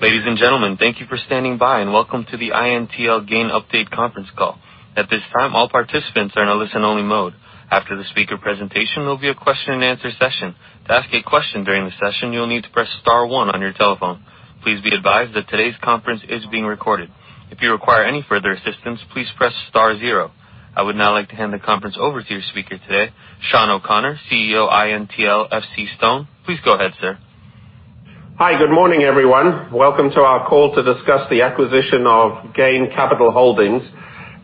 Ladies and gentlemen, thank you for standing by. Welcome to the INTL GAIN update conference call. At this time, all participants are in a listen-only mode. After the speaker's presentation, there'll be a question and answer session. To ask a question during the session, you'll need to press star one on your telephone. Please be advised that today's conference is being recorded. If you require any further assistance, please press star zero. I would now like to hand the conference over to your speaker today, Sean O'Connor, CEO, INTL FCStone. Please go ahead, sir. Hi. Good morning, everyone. Welcome to our call to discuss the acquisition of GAIN Capital Holdings.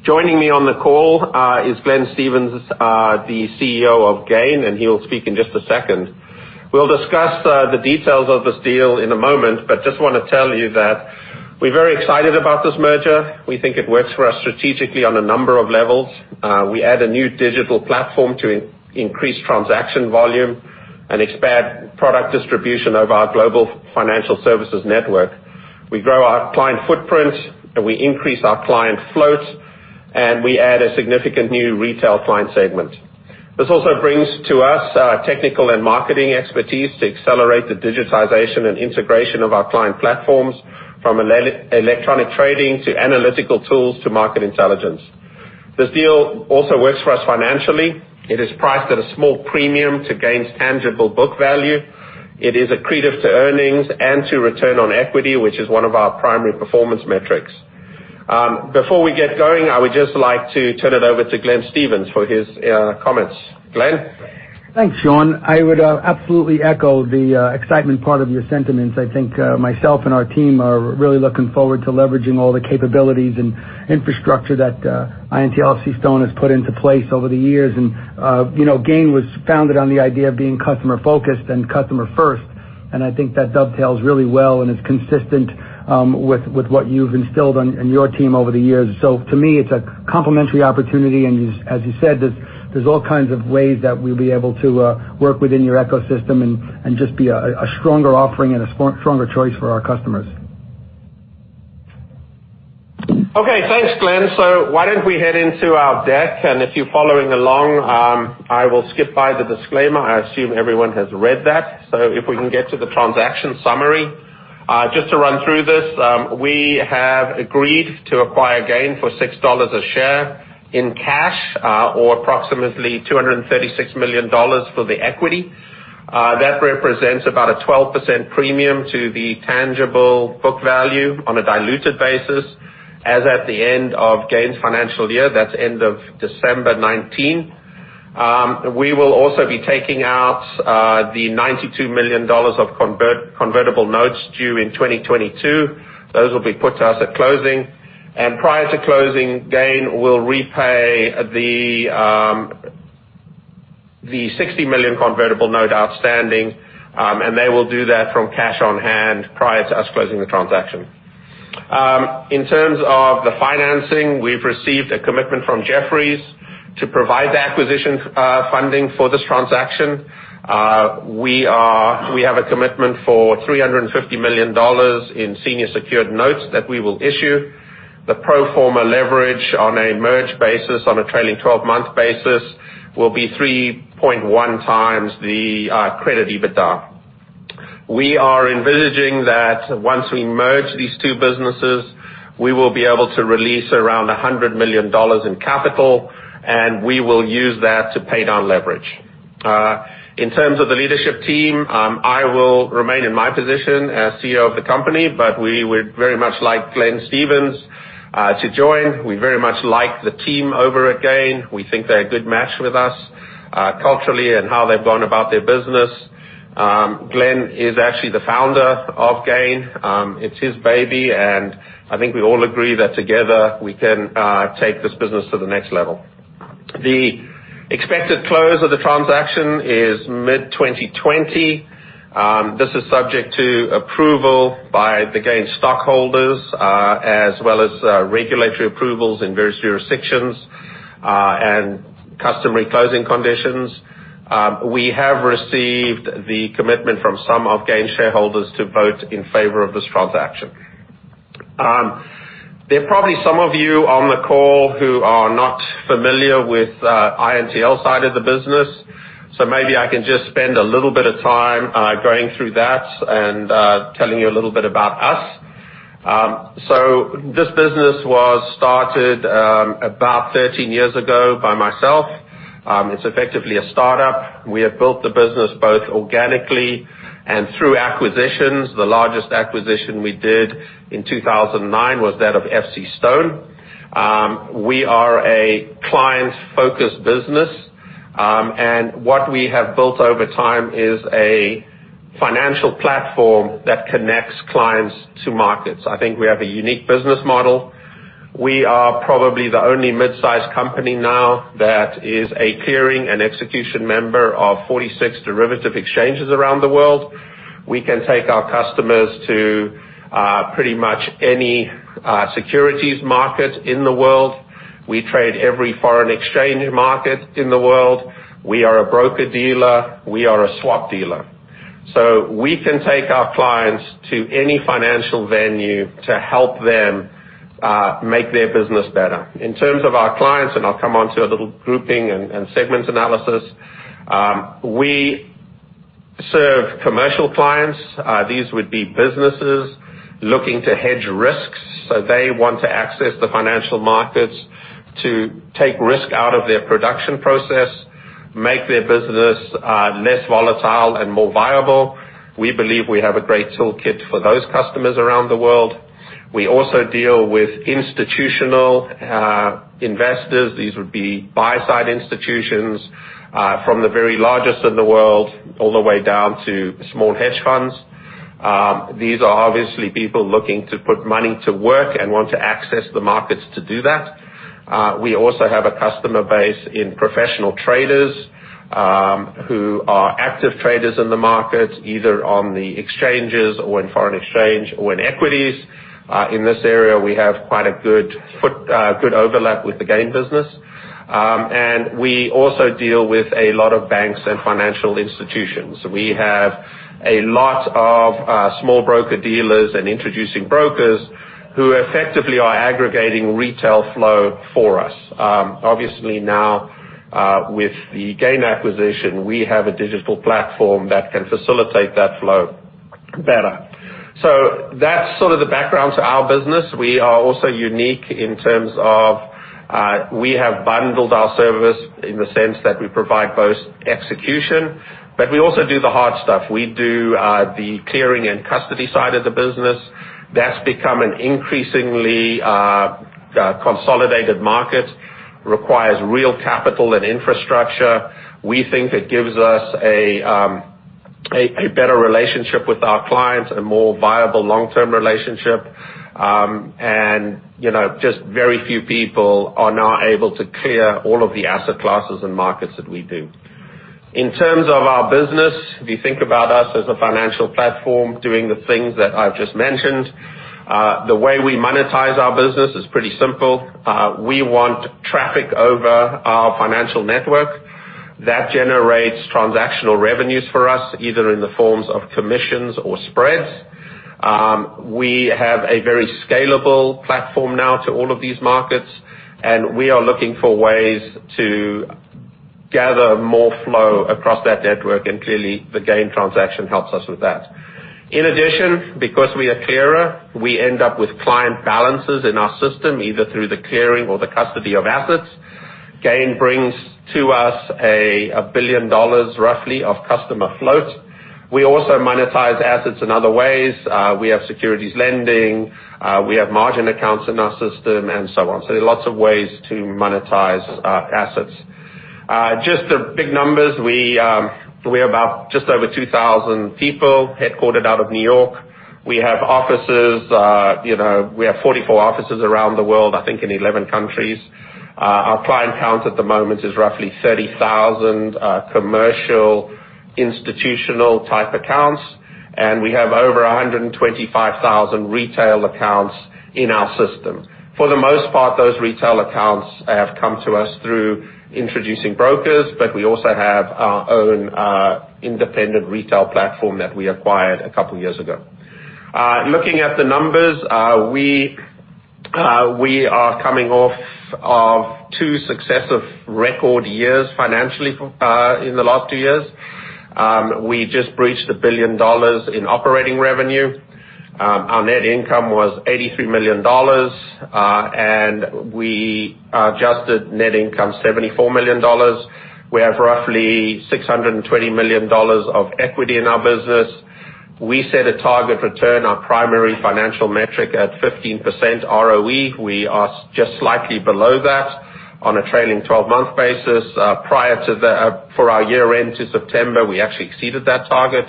Joining me on the call is Glenn Stevens, the CEO of GAIN, and he will speak in just a second. We'll discuss the details of this deal in a moment, but I just want to tell you that we're very excited about this merger. We think it works for us strategically on a number of levels. We add a new digital platform to increase transaction volume and expand product distribution of our global financial services network. We grow our client footprint, and we increase our client float, and we add a significant new retail client segment. This also brings to us technical and marketing expertise to accelerate the digitization and integration of our client platforms, from electronic trading to analytical tools to market intelligence. This deal also works for us financially. It is priced at a small premium to GAIN's tangible book value. It is accretive to earnings and to return on equity, which is one of our primary performance metrics. Before we get going, I would just like to turn it over to Glenn Stevens for his comments. Glenn? Thanks, Sean. I would absolutely echo the excitement part of your sentiments. I think myself and our team are really looking forward to leveraging all the capabilities and infrastructure that INTL FCStone has put into place over the years. GAIN was founded on the idea of being customer-focused and customer-first, and I think that dovetails really well and is consistent with what you've instilled in your team over the years. To me, it's a complementary opportunity, and as you said, there's all kinds of ways that we'll be able to work within your ecosystem and just be a stronger offering and a stronger choice for our customers. Okay. Thanks, Glenn. Why don't we head into our deck? If you're following along, I will skip by the disclaimer. I assume everyone has read that. If we can get to the transaction summary. Just to run through this, we have agreed to acquire GAIN for $6 a share in cash, or approximately $236 million for the equity. That represents about a 12% premium to the tangible book value on a diluted basis as at the end of GAIN's financial year. That's end of December 2019. We will also be taking out the $92 million of convertible notes due in 2022. Those will be put to us at closing. Prior to closing, GAIN will repay the $60 million convertible note outstanding. They will do that from cash on hand prior to us closing the transaction. In terms of the financing, we've received a commitment from Jefferies to provide the acquisition funding for this transaction. We have a commitment for $350 million in senior secured notes that we will issue. The pro forma leverage on a merged basis on a trailing 12-month basis will be 3.1 times the credit EBITDA. We are envisaging that once we merge these two businesses, we will be able to release around $100 million in capital, and we will use that to pay down leverage. In terms of the leadership team, I will remain in my position as CEO of the company. We would very much like Glenn Stevens to join. We very much like the team over at GAIN. We think they're a good match with us culturally and how they've gone about their business. Glenn is actually the founder of GAIN. It's his baby. I think we all agree that together we can take this business to the next level. The expected close of the transaction is mid-2020. This is subject to approval by the GAIN stockholders, as well as regulatory approvals in various jurisdictions and customary closing conditions. We have received the commitment from some of GAIN's shareholders to vote in favor of this transaction. There are probably some of you on the call who are not familiar with INTL's side of the business. Maybe I can just spend a little bit of time going through that and telling you a little bit about us. This business was started about 13 years ago by myself. It's effectively a startup. We have built the business both organically and through acquisitions. The largest acquisition we did in 2009 was that of FCStone. We are a client-focused business. What we have built over time is a financial platform that connects clients to markets. I think we have a unique business model. We are probably the only mid-size company now that is a clearing and execution member of 46 derivative exchanges around the world. We can take our customers to pretty much any securities market in the world. We trade every foreign exchange market in the world. We are a broker-dealer. We are a swap dealer. We can take our clients to any financial venue to help them make their business better. In terms of our clients, and I'll come onto a little grouping and segments analysis. We serve commercial clients. These would be businesses looking to hedge risks. They want to access the financial markets to take risk out of their production process, make their business less volatile and more viable. We believe we have a great toolkit for those customers around the world. We also deal with institutional investors. These would be buy-side institutions, from the very largest in the world, all the way down to small hedge funds. These are obviously people looking to put money to work and want to access the markets to do that. We also have a customer base in professional traders, who are active traders in the market, either on the exchanges or in foreign exchange or in equities. In this area, we have quite a good overlap with the GAIN business. We also deal with a lot of banks and financial institutions. We have a lot of small broker-dealers and introducing brokers who effectively are aggregating retail flow for us. Obviously, now, with the GAIN acquisition, we have a digital platform that can facilitate that flow better. That's sort of the background to our business. We are also unique in terms of, we have bundled our service in the sense that we provide both execution, but we also do the hard stuff. We do the clearing and custody side of the business. That's become an increasingly consolidated market, requires real capital and infrastructure. We think it gives us a better relationship with our clients, a more viable long-term relationship. Just very few people are now able to clear all of the asset classes and markets that we do. In terms of our business, if you think about us as a financial platform doing the things that I've just mentioned, the way we monetize our business is pretty simple. We want traffic over our financial network. That generates transactional revenues for us, either in the forms of commissions or spreads. We have a very scalable platform now to all of these markets, and we are looking for ways to gather more flow across that network. Clearly, the GAIN transaction helps us with that. In addition, because we are clearer, we end up with client balances in our system, either through the clearing or the custody of assets. GAIN brings to us $1 billion, roughly, of customer float. We also monetize assets in other ways. We have securities lending. We have margin accounts in our system and so on. There are lots of ways to monetize assets. Just the big numbers. We are about just over 2,000 people, headquartered out of New York. We have 44 offices around the world, I think in 11 countries. Our client count at the moment is roughly 30,000 commercial institutional-type accounts, and we have over 125,000 retail accounts in our system. For the most part, those retail accounts have come to us through introducing brokers, but we also have our own independent retail platform that we acquired a couple of years ago. Looking at the numbers, we are coming off of two successive record years financially in the last two years. We just breached $1 billion in operating revenue. Our net income was $83 million, and we adjusted net income $74 million. We have roughly $620 million of equity in our business. We set a target return, our primary financial metric, at 15% ROE. We are just slightly below that on a trailing 12-month basis. For our year-end to September, we actually exceeded that target.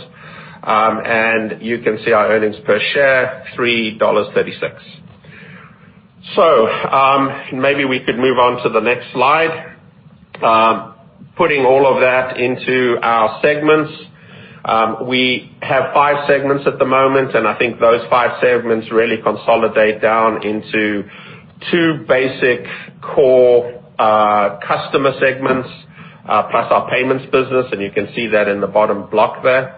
You can see our earnings per share, $3.36. Maybe we could move on to the next slide. Putting all of that into our segments. We have five segments at the moment, and I think those five segments really consolidate down into two basic core customer segments, plus our payments business, and you can see that in the bottom block there.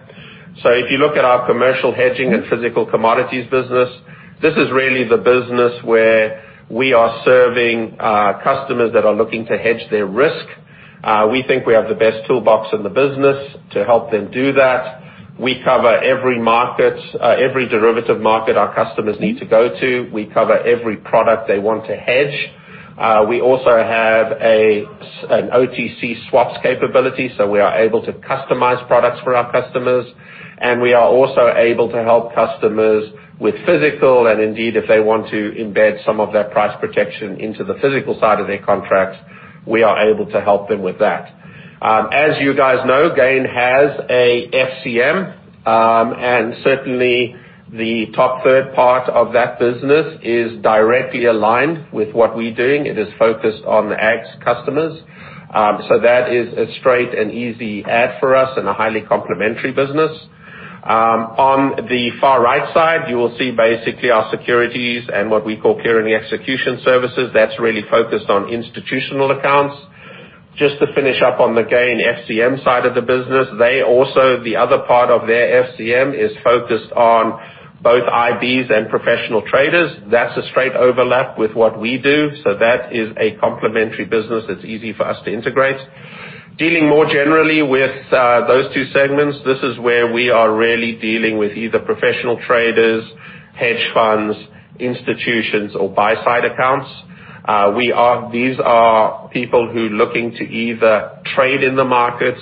If you look at our commercial hedging and physical commodities business, this is really the business where we are serving customers that are looking to hedge their risk. We think we have the best toolbox in the business to help them do that. We cover every derivative market our customers need to go to. We cover every product they want to hedge. We also have an OTC swaps capability, so we are able to customize products for our customers, and we are also able to help customers with physical, and indeed, if they want to embed some of that price protection into the physical side of their contracts, we are able to help them with that. As you guys know, GAIN has a FCM, and certainly, the Top Third part of that business is directly aligned with what we're doing. It is focused on the ag customers. That is a straight and easy add for us and a highly complementary business. On the far right side, you will see basically our securities and what we call clearing execution services. That's really focused on institutional accounts. Just to finish up on the GAIN FCM side of the business, the other part of their FCM is focused on both IBDs and professional traders. That's a straight overlap with what we do, so that is a complementary business that's easy for us to integrate. Dealing more generally with those two segments, this is where we are really dealing with either professional traders, hedge funds, institutions, or buy-side accounts. These are people who are looking to either trade in the markets,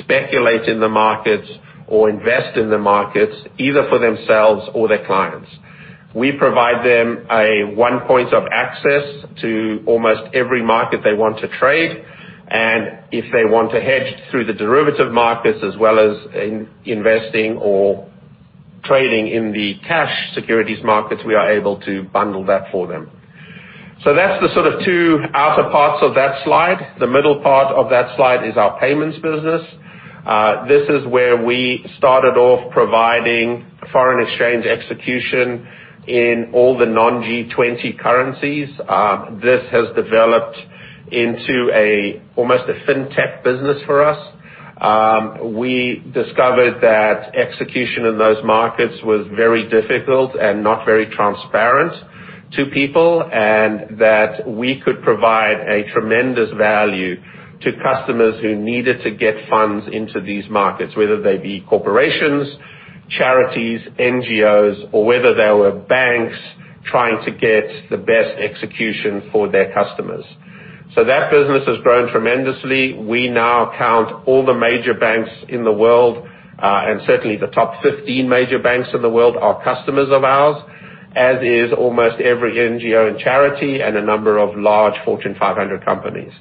speculate in the markets, or invest in the markets, either for themselves or their clients. We provide them a one point of access to almost every market they want to trade. If they want to hedge through the derivative markets as well as investing or trading in the cash securities markets, we are able to bundle that for them. That's the two outer parts of that slide. The middle part of that slide is our payments business. This is where we started off providing foreign exchange execution in all the non-G20 currencies. This has developed into almost a fintech business for us. We discovered that execution in those markets was very difficult and not very transparent to people and that we could provide a tremendous value to customers who needed to get funds into these markets, whether they be corporations, charities, NGOs, or whether they were banks trying to get the best execution for their customers. That business has grown tremendously. We now count all the major banks in the world, and certainly the top 15 major banks in the world are customers of ours, as is almost every NGO and charity and a number of large Fortune 500 companies.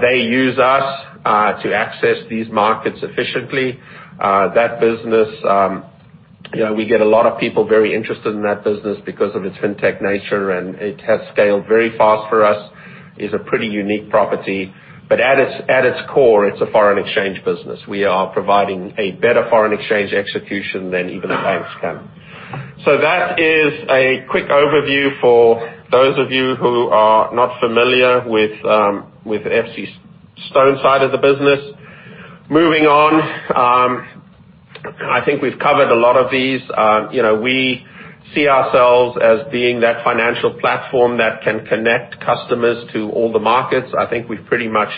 They use us to access these markets efficiently. We get a lot of people very interested in that business because of its fintech nature; it has scaled very fast for us, is a pretty unique property. At its core, it's a foreign exchange business. We are providing a better foreign exchange execution than even the banks can. That is a quick overview for those of you who are not familiar with FCStone side of the business. Moving on. I think we've covered a lot of these. We see ourselves as being that financial platform that can connect customers to all the markets. I think we've pretty much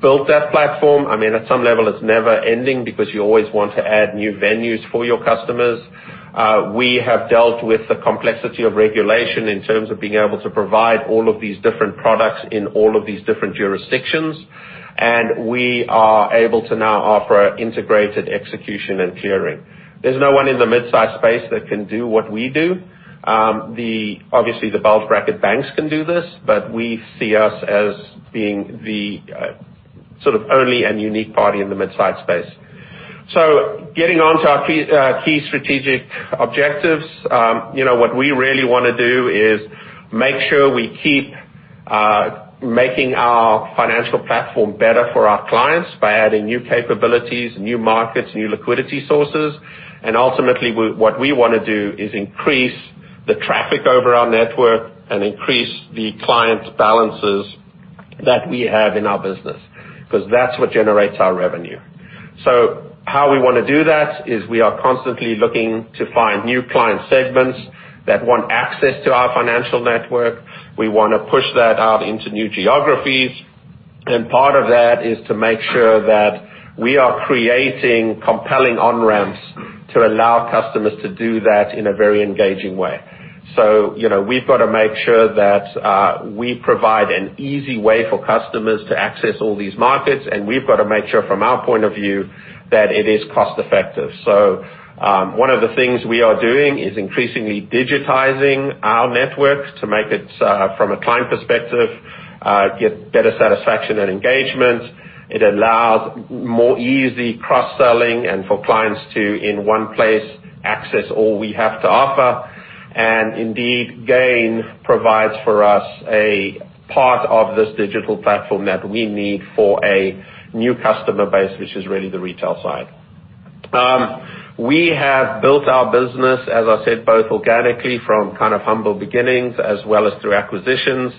built that platform. At some level, it's never-ending because you always want to add new venues for your customers. We have dealt with the complexity of regulation in terms of being able to provide all of these different products in all of these different jurisdictions, and we are able to now offer integrated execution and clearing. There's no one in the mid-size space that can do what we do. Obviously, the bulge bracket banks can do this, but we see us as being the only and unique party in the mid-size space. Getting onto our key strategic objectives. What we really want to do is make sure we keep making our financial platform better for our clients by adding new capabilities, new markets, new liquidity sources. Ultimately, what we want to do is increase the traffic over our network and increase the client balances that we have in our business, because that's what generates our revenue. How we want to do that is we are constantly looking to find new client segments that want access to our financial network. We want to push that out into new geographies. Part of that is to make sure that we are creating compelling on-ramps to allow customers to do that in a very engaging way. We've got to make sure that we provide an easy way for customers to access all these markets, and we've got to make sure from our point of view that it is cost-effective. One of the things we are doing is increasingly digitizing our network to make it, from a client perspective, get better satisfaction and engagement. It allows more easy cross-selling and for clients to, in one place, access all we have to offer. Indeed, GAIN provides for us a part of this digital platform that we need for a new customer base, which is really the retail side. We have built our business, as I said, both organically from humble beginnings as well as through acquisitions.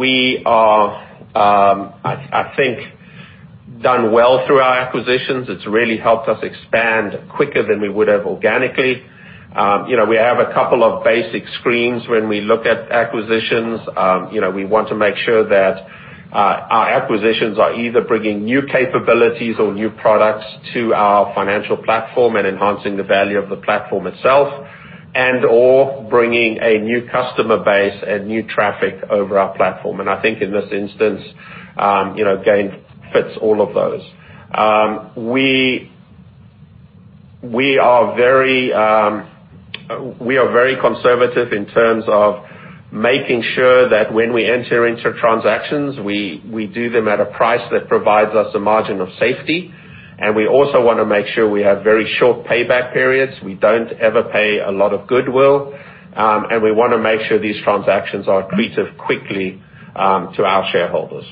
We are, I think, done well through our acquisitions. It's really helped us expand quicker than we would have organically. We have a couple of basic screens when we look at acquisitions. We want to make sure that our acquisitions are either bringing new capabilities or new products to our financial platform and enhancing the value of the platform itself, and/or bringing a new customer base and new traffic over our platform. I think in this instance GAIN fits all of those. We are very conservative in terms of making sure that when we enter into transactions, we do them at a price that provides us a margin of safety. We also want to make sure we have very short payback periods. We don't ever pay a lot of goodwill. We want to make sure these transactions are accretive quickly to our shareholders.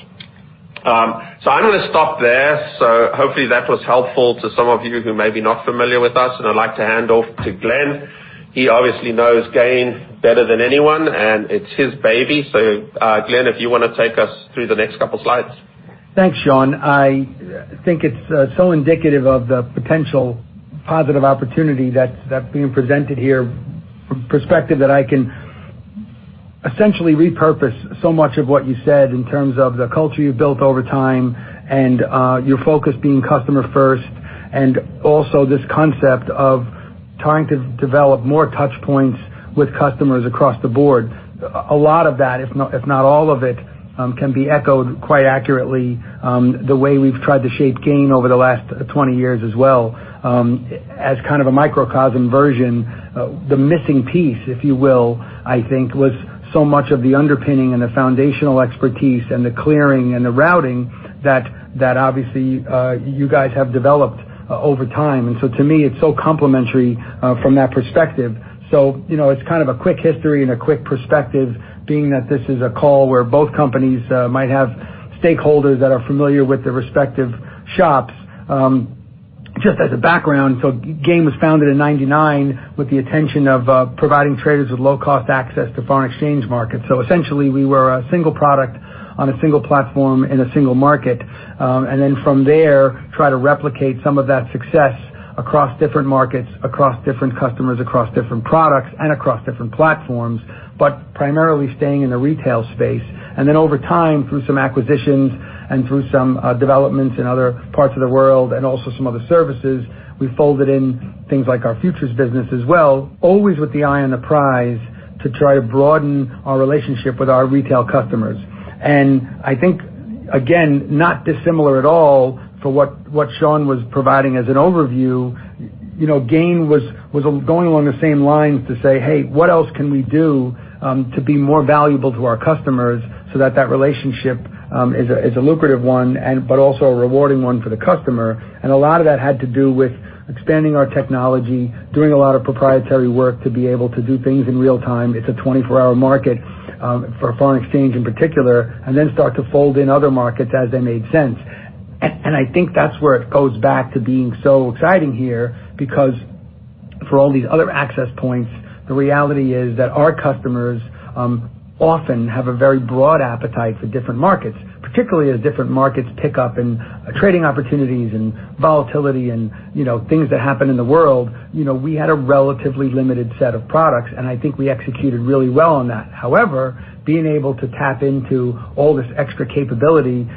I'm going to stop there. Hopefully that was helpful to some of you who may be not familiar with us, and I'd like to hand off to Glenn. He obviously knows GAIN better than anyone, and it's his baby. Glenn, if you want to take us through the next couple slides? Thanks, Sean. I think it's so indicative of the potential positive opportunity that's being presented here from perspective that I can essentially repurpose so much of what you said in terms of the culture you've built over time and your focus being customer first and also this concept of trying to develop more touch points with customers across the board. A lot of that, if not all of it, can be echoed quite accurately, the way we've tried to shape GAIN over the last 20 years as well, as kind of a microcosm version. The missing piece, if you will, I think, was so much of the underpinning and the foundational expertise and the clearing and the routing that obviously, you guys have developed over time. To me, it's so complementary from that perspective. It's kind of a quick history and a quick perspective, being that this is a call where both companies might have stakeholders that are familiar with the respective shops. Just as a background, GAIN was founded in 1999 with the intention of providing traders with low-cost access to foreign exchange markets. Essentially, we were a single product on a single platform in a single market. From there, try to replicate some of that success across different markets, across different customers, across different products, and across different platforms, but primarily staying in the retail space. Over time, through some acquisitions and through some developments in other parts of the world and also some other services, we folded in things like our futures business as well, always with the eye on the prize to try to broaden our relationship with our retail customers. I think, again, not dissimilar at all for what Sean was providing as an overview. GAIN was going along the same lines to say, "Hey, what else can we do to be more valuable to our customers so that that relationship is a lucrative one, but also a rewarding one for the customer?" A lot of that had to do with expanding our technology, doing a lot of proprietary work to be able to do things in real-time. It's a 24-hour market for foreign exchange in particular, and then start to fold in other markets as they made sense. I think that's where it goes back to being so exciting here, because for all these other access points, the reality is that our customers often have a very broad appetite for different markets, particularly as different markets pick up in trading opportunities and volatility and things that happen in the world. We had a relatively limited set of products, and I think we executed really well on that. However, being able to tap into all this extra capability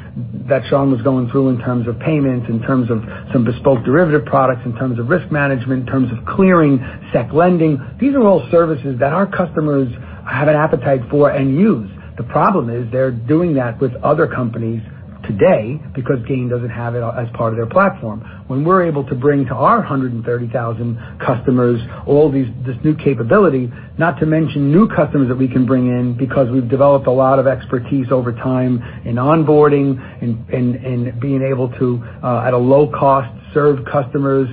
that Sean was going through in terms of payments, in terms of some bespoke derivative products, in terms of risk management, in terms of clearing, sec lending, these are all services that our customers have an appetite for and use. The problem is they're doing that with other companies today because GAIN doesn't have it as part of their platform. When we're able to bring to our 130,000 customers all this new capability, not to mention new customers that we can bring in because we've developed a lot of expertise over time in onboarding and being able to, at a low cost, serve customers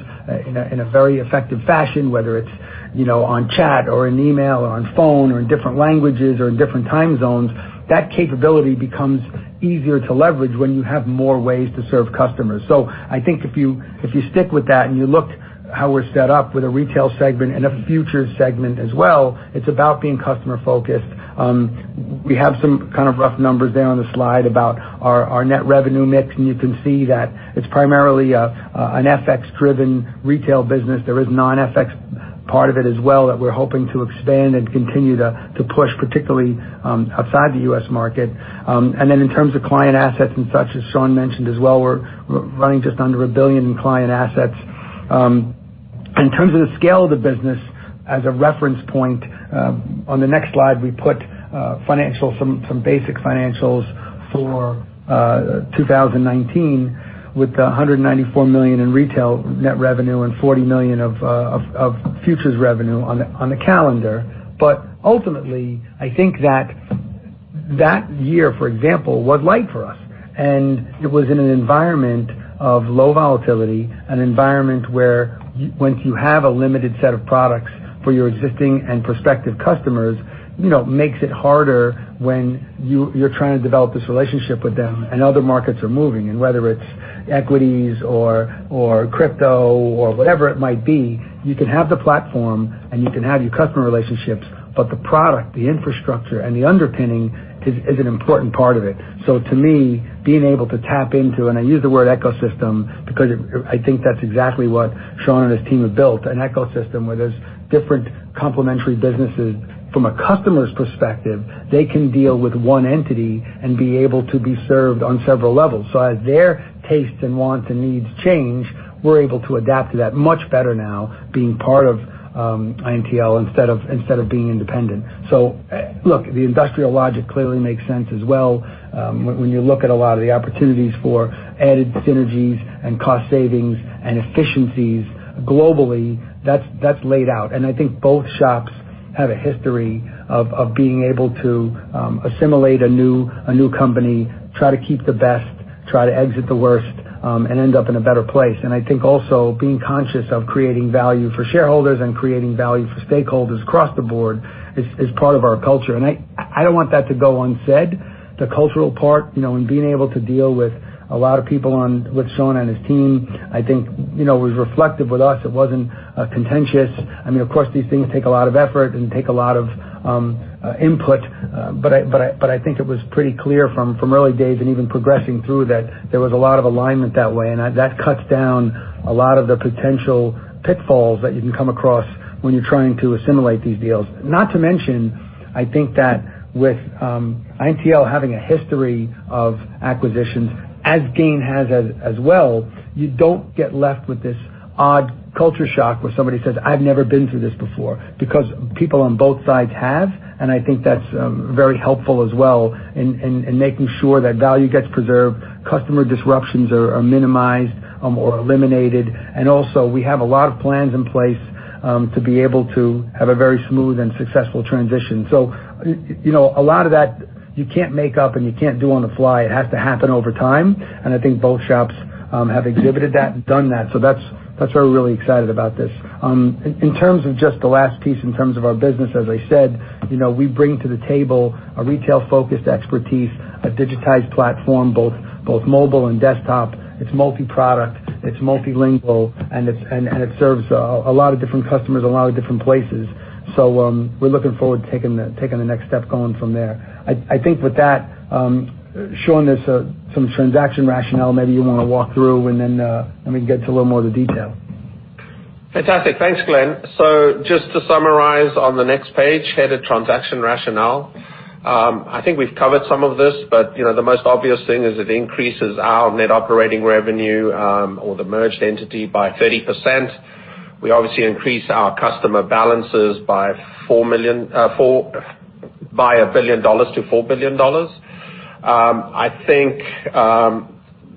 in a very effective fashion, whether it's on chat or in email or on phone or in different languages or in different time zones. That capability becomes easier to leverage when you have more ways to serve customers. I think if you stick with that and you look how we're set up with a retail segment and a futures segment as well, it's about being customer-focused. We have some kind of rough numbers there on the slide about our net revenue mix, and you can see that it's primarily an FX-driven retail business. There is non-FX part of it as well that we're hoping to expand and continue to push, particularly outside the U.S. market. In terms of client assets and such, as Sean mentioned as well, we're running just under $1 billion in client assets. In terms of the scale of the business as a reference point, on the next slide, we put some basic financials for 2019 with $194 million in retail net revenue and $40 million of futures revenue on the calendar. Ultimately, I think that that year, for example, was light for us, and it was in an environment of low volatility, an environment where once you have a limited set of products for your existing and prospective customers, makes it harder when you're trying to develop this relationship with them and other markets are moving. Whether it's equities or crypto or whatever it might be, you can have the platform, and you can have your customer relationships, but the product, the infrastructure, and the underpinning is an important part of it. To me, being able to tap into, and I use the word "ecosystem" because I think that's exactly what Sean and his team have built, an ecosystem where there's different complementary businesses. From a customer's perspective, they can deal with one entity and be able to be served on several levels. As their tastes and wants and needs change, we're able to adapt to that much better now being part of INTL instead of being independent. Look, the industrial logic clearly makes sense as well. When you look at a lot of the opportunities for added synergies and cost savings and efficiencies globally, that's laid out. I think both shops have a history of being able to assimilate a new company, try to keep the best, try to exit the worst, and end up in a better place. I think also being conscious of creating value for shareholders and creating value for stakeholders across the board is part of our culture. I don't want that to go unsaid. The cultural part, and being able to deal with a lot of people on with Sean and his team, I think, was reflective with us. It wasn't contentious. Of course, these things take a lot of effort and take a lot of input. I think it was pretty clear from early days and even progressing through that there was a lot of alignment that way, and that cuts down a lot of the potential pitfalls that you can come across when you're trying to assimilate these deals. Not to mention, I think that with INTL having a history of acquisitions, as GAIN has as well, you don't get left with this odd culture shock where somebody says, "I've never been through this before," because people on both sides have, and I think that's very helpful as well in making sure that value gets preserved, customer disruptions are minimized or eliminated. Also we have a lot of plans in place to be able to have a very smooth and successful transition. A lot of that you can't make up and you can't do on the fly. It has to happen over time. I think both shops have exhibited that and done that. That's why we're really excited about this. In terms of just the last piece, in terms of our business, as I said, we bring to the table a retail-focused expertise, a digitized platform, both mobile and desktop. It's multi-product, it's multilingual, and it serves a lot of different customers in a lot of different places. We're looking forward to taking the next step going from there. I think with that, Sean, there's some transaction rationale maybe you want to walk through, and then we can get into a little more of the detail. Fantastic. Thanks, Glenn. Just to summarize on the next page, headed "Transaction Rationale," I think we've covered some of this, but the most obvious thing is it increases our net operating revenue, or the merged entity, by 30%. We obviously increase our customer balances by $1 billion to $4 billion. I think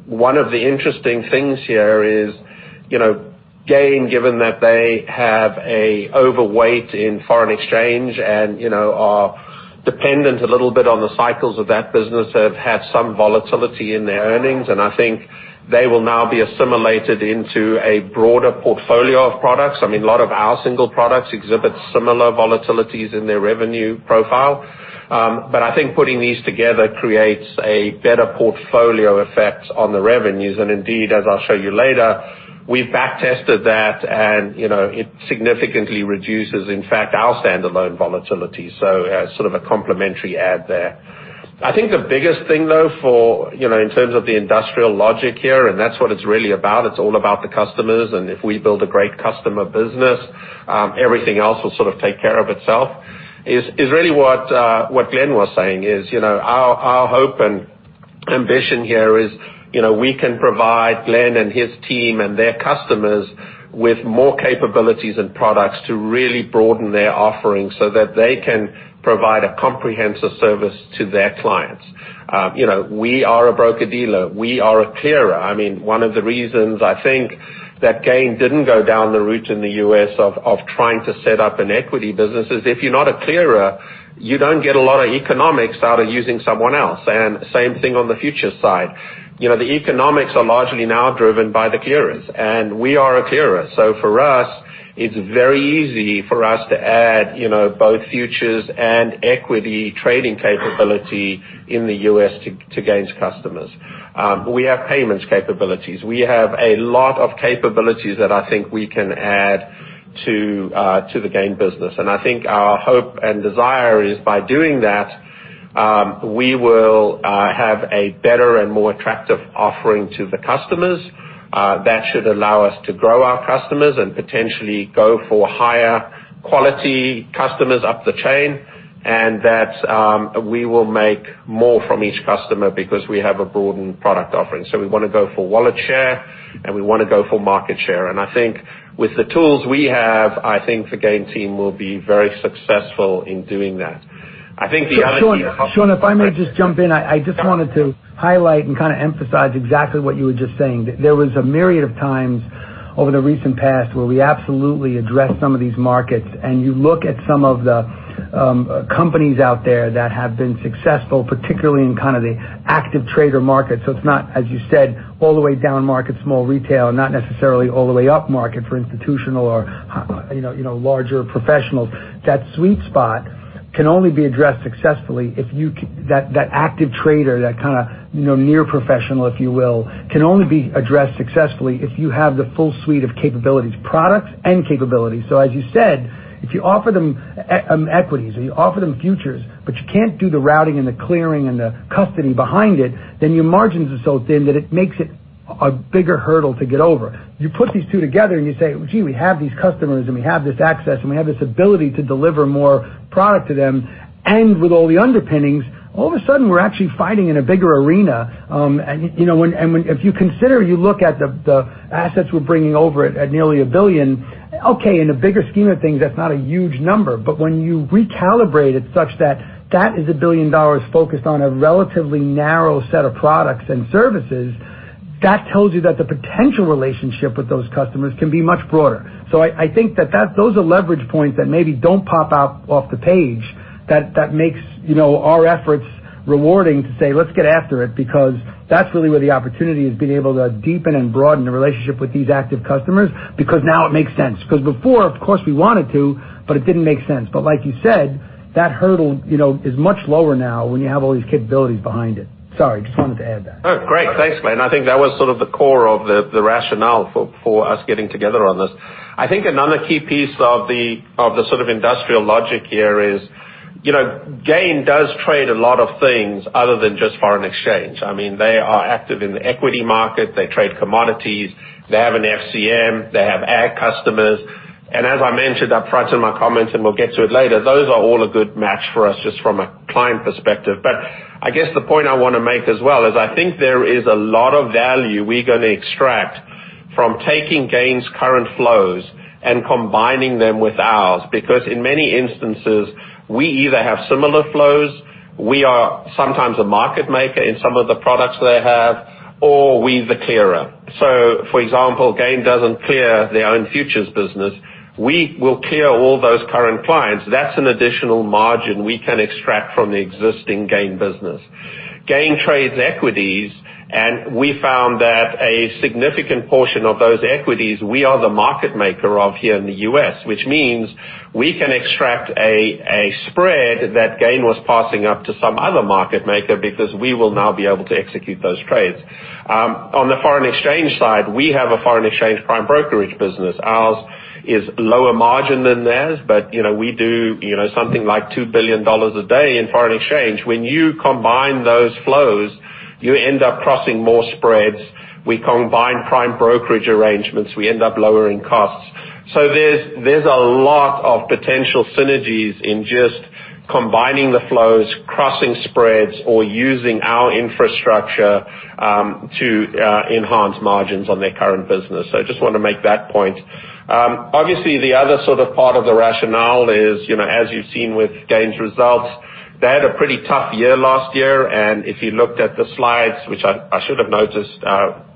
one of the interesting things here is GAIN, given that they have an overweight in foreign exchange and are dependent a little bit on the cycles of that business, have had some volatility in their earnings, and I think they will now be assimilated into a broader portfolio of products. A lot of our single products exhibit similar volatilities in their revenue profile. I think putting these together creates a better portfolio effect on the revenues. Indeed, as I'll show you later, we've back-tested that, and it significantly reduces, in fact, our standalone volatility. As sort of a complementary add there. I think the biggest thing, though, in terms of the industrial logic here, that's what it's really about; it's all about the customers, if we build a great customer business, everything else will sort of take care of itself, is really what Glenn was saying is, our hope and ambition here is, we can provide Glenn and his team and their customers with more capabilities and products to really broaden their offerings so that they can provide a comprehensive service to their clients. We are a broker-dealer. We are a clearer. One of the reasons I think that GAIN didn't go down the route in the U.S. of trying to set up an equity business is if you're not a clearer, you don't get a lot of economics out of using someone else. Same thing on the futures side. The economics are largely now driven by the clearers, and we are a clearer. For us, it's very easy for us to add both futures and equity trading capability in the U.S. to GAIN's customers. We have payments capabilities. We have a lot of capabilities that I think we can add to the GAIN business. I think our hope and desire is by doing that, we will have a better and more attractive offering to the customers. That should allow us to grow our customers and potentially go for higher-quality customers up the chain, and that we will make more from each customer because we have a broadened product offering. We want to go for wallet share, and we want to go for market share. I think with the tools we have, I think the GAIN team will be very successful in doing that. I think the other- Sean, if I may just jump in. I just wanted to highlight and kind of emphasize exactly what you were just saying. There was a myriad of times over the recent past where we absolutely addressed some of these markets, and you look at some of the companies out there that have been successful, particularly in kind of the active trader market. It's not, as you said, all the way down market, small retail, and not necessarily all the way up market for institutional or larger professionals. That sweet spot can only be addressed successfully if that active trader, that kind of near-professional, if you will, can only be addressed successfully if you have the full suite of capabilities, products, and capabilities. As you said, if you offer them equities or you offer them futures, but you can't do the routing and the clearing and the custody behind it, then your margins are so thin that it makes it a bigger hurdle to get over. You put these two together and you say, "Gee, we have these customers and we have this access, and we have this ability to deliver more product to them." With all the underpinnings, all of a sudden, we're actually fighting in a bigger arena. If you consider, you look at the assets we're bringing over at nearly $1 billion. Okay, in the bigger scheme of things, that's not a huge number. When you recalibrate it such that that is $1 billion focused on a relatively narrow set of products and services. That tells you that the potential relationship with those customers can be much broader. I think that those are leverage points that maybe don't pop out off the page that makes our efforts rewarding to say, "Let's get after it." That's really where the opportunity is, being able to deepen and broaden the relationship with these active customers, because now it makes sense. Before, of course, we wanted to, but it didn't make sense. Like you said, that hurdle is much lower now when you have all these capabilities behind it. Sorry, just wanted to add that. No, great. Thanks, Glenn. I think that was sort of the core of the rationale for us getting together on this. I think another key piece of the sort of industrial logic here is GAIN does trade a lot of things other than just foreign exchange. They are active in the equity market. They trade commodities. They have an FCM. They have ag customers. As I mentioned up front in my comments, and we'll get to it later, those are all a good match for us just from a client perspective. I guess the point I want to make as well is I think there is a lot of value we're going to extract from taking GAIN's current flows and combining them with ours because in many instances, we either have similar flows, we are sometimes a market maker in some of the products they have, or we're the clearer. For example, GAIN doesn't clear their own futures business. We will clear all those current clients. That's an additional margin we can extract from the existing GAIN business. GAIN trades equities, and we found that a significant portion of those equities, we are the market maker of here in the U.S., which means we can extract a spread that GAIN was passing up to some other market maker because we will now be able to execute those trades. On the foreign exchange side, we have a foreign exchange prime brokerage business. Ours is lower margin than theirs, but we do something like $2 billion a day in foreign exchange. When you combine those flows, you end up crossing more spreads. We combine prime brokerage arrangements. We end up lowering costs. There's a lot of potential synergies in just combining the flows, crossing spreads, or using our infrastructure to enhance margins on their current business. I just want to make that point. Obviously, the other sort of part of the rationale is, as you've seen with GAIN's results, they had a pretty tough year last year, and if you looked at the slides, which I should have noticed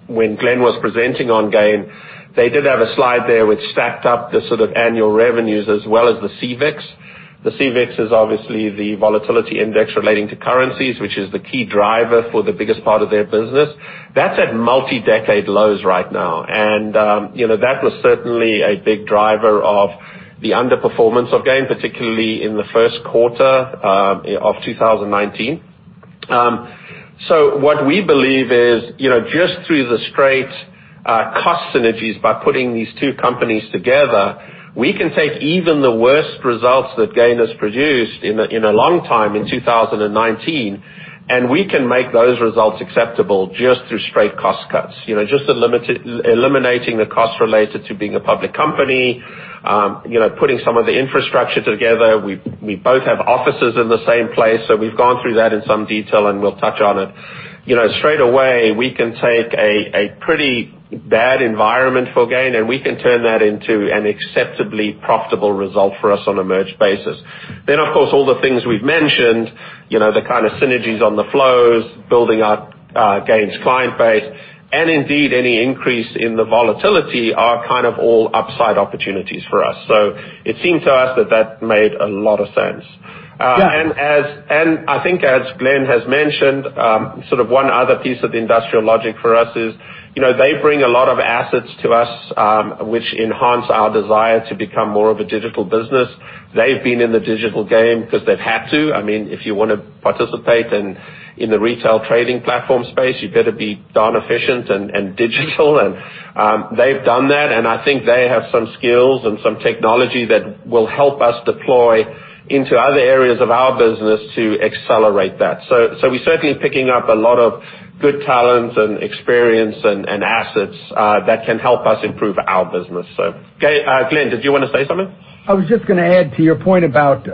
when Glenn was presenting on GAIN, they did have a slide there which stacked up the sort of annual revenues, as well as the CVIX. The CVIX is obviously the volatility index relating to currencies, which is the key driver for the biggest part of their business. That's at multi-decade lows right now. That was certainly a big driver of the underperformance of GAIN, particularly in the first quarter of 2019. What we believe is, just through the straight cost synergies by putting these two companies together, we can take even the worst results that GAIN has produced in a long time in 2019. We can make those results acceptable just through straight cost cuts. Just eliminating the cost related to being a public company, putting some of the infrastructure together. We both have offices in the same place. We've gone through that in some detail. We'll touch on it. Straight away, we can take a pretty bad environment for GAIN, and we can turn that into an acceptably profitable result for us on a merged basis. Of course, all the things we've mentioned, the kind of synergies on the flows, building out GAIN's client base, and indeed, any increase in the volatility are kind of all upside opportunities for us. It seemed to us that that made a lot of sense. Yeah. I think, as Glenn has mentioned, sort of one other piece of industrial logic for us is, they bring a lot of assets to us, which enhance our desire to become more of a digital business. They've been in the digital game because they've had to. If you want to participate in the retail trading platform space, you better be darn efficient and digital. They've done that, and I think they have some skills and some technology that will help us deploy into other areas of our business to accelerate that. We're certainly picking up a lot of good talent and experience and assets that can help us improve our business. Glenn, did you want to say something? I was just going to add to your point about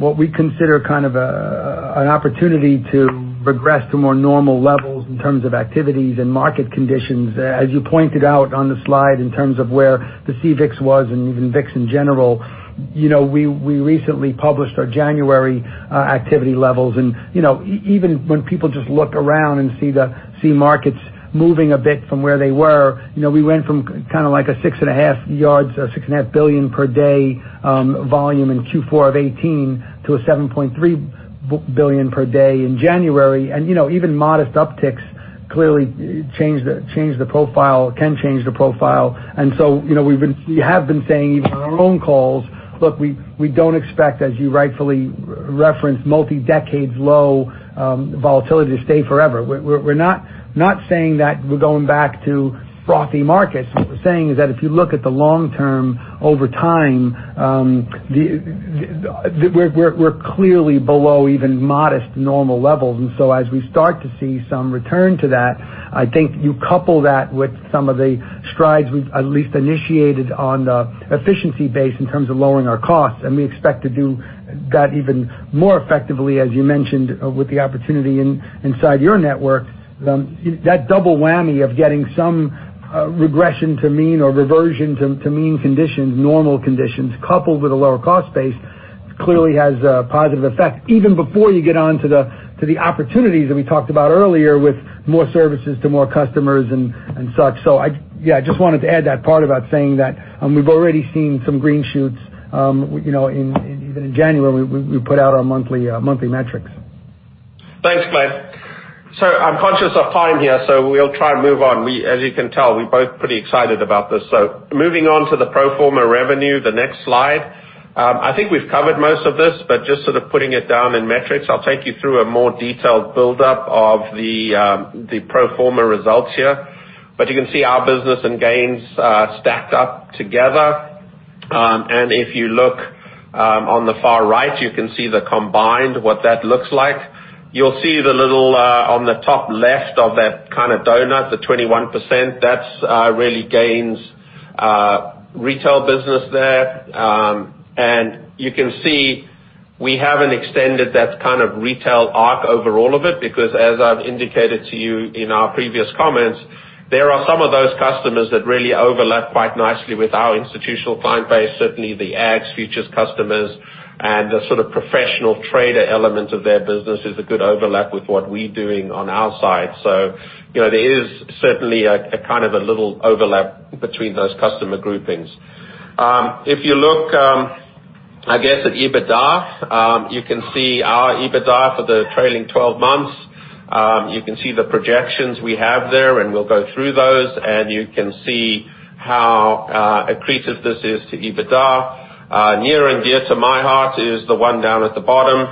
what we consider kind of an opportunity to progress to more normal levels in terms of activities and market conditions. As you pointed out on the slide in terms of where the CVIX was and even VIX in general. We recently published our January activity levels, and even when people just look around and see markets moving a bit from where they were, we went from kind of like a $6.5 billion per day volume in Q4 of 2018 to $7.3 billion per day in January. Even modest upticks clearly can change the profile. So we have been saying, even on our own calls, "Look, we don't expect, as you rightfully referenced, multi-decade low volatility to stay forever. " We're not saying that we're going back to frothy markets. What we're saying is that if you look at the long term over time, we're clearly below even modest normal levels. As we start to see some return to that, I think you couple that with some of the strides we've at least initiated on the efficiency base in terms of lowering our costs, and we expect to do that even more effectively, as you mentioned, with the opportunity inside your network. That double whammy of getting some regression to mean or reversion to mean conditions, normal conditions, coupled with a lower cost base clearly has a positive effect even before you get onto the opportunities that we talked about earlier with more services to more customers and such. I just wanted to add that part about saying that we've already seen some green shoots, even in January when we put out our monthly metrics. Thanks, Glenn. I'm conscious of time here, so we'll try and move on. As you can tell, we're both pretty excited about this. Moving on to the pro forma revenue, the next slide. I think we've covered most of this, but just sort of putting it down in metrics. I'll take you through a more detailed buildup of the pro forma results here. You can see our business and GAIN's stacked up together. If you look on the far right, you can see the combined, what that looks like. You'll see the little on the top left of that kind of donut, the 21%, that's really GAIN's retail business there. You can see we haven't extended that kind of retail arc over all of it, because as I've indicated to you in our previous comments, there are some of those customers that really overlap quite nicely with our institutional client base. Certainly, the ag futures customers and the sort of professional trader element of their business is a good overlap with what we're doing on our side. There is certainly a kind of a little overlap between those customer groupings. If you look, I guess at EBITDA, you can see our EBITDA for the trailing 12 months. You can see the projections we have there, and we'll go through those, and you can see how accretive this is to EBITDA. Near and dear to my heart is the one down at the bottom.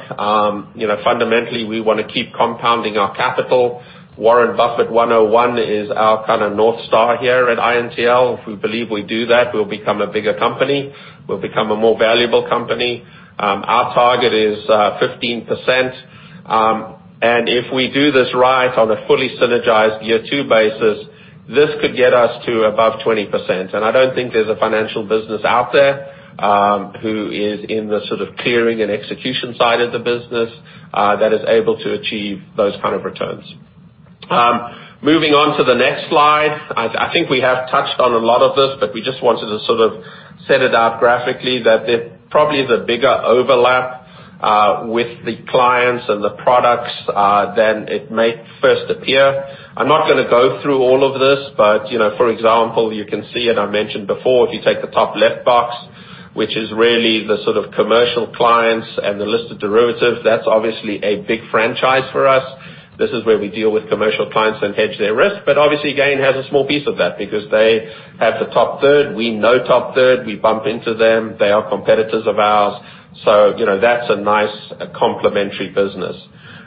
Fundamentally, we want to keep compounding our capital. Warren Buffett 101 is our kind of North Star here at INTL. If we believe we do that, we'll become a bigger company. We'll become a more valuable company. Our target is 15%. If we do this right on a fully synergized year two basis, this could get us to above 20%. I don't think there's a financial business out there who is in the sort of clearing and execution side of the business that is able to achieve those kind of returns. Moving on to the next slide. I think we have touched on a lot of this, but we just wanted to sort of set it out graphically that there probably is a bigger overlap with the clients and the products than it may first appear. I'm not going to go through all of this, but for example, you can see, and I mentioned before, if you take the top left box, which is really the sort of commercial clients and the list of derivatives, that's obviously a big franchise for us. This is where we deal with commercial clients and hedge their risk. Obviously, GAIN has a small piece of that because they have the Top Third. We know Top Third; we bump into them. They are competitors of ours. That's a nice complementary business.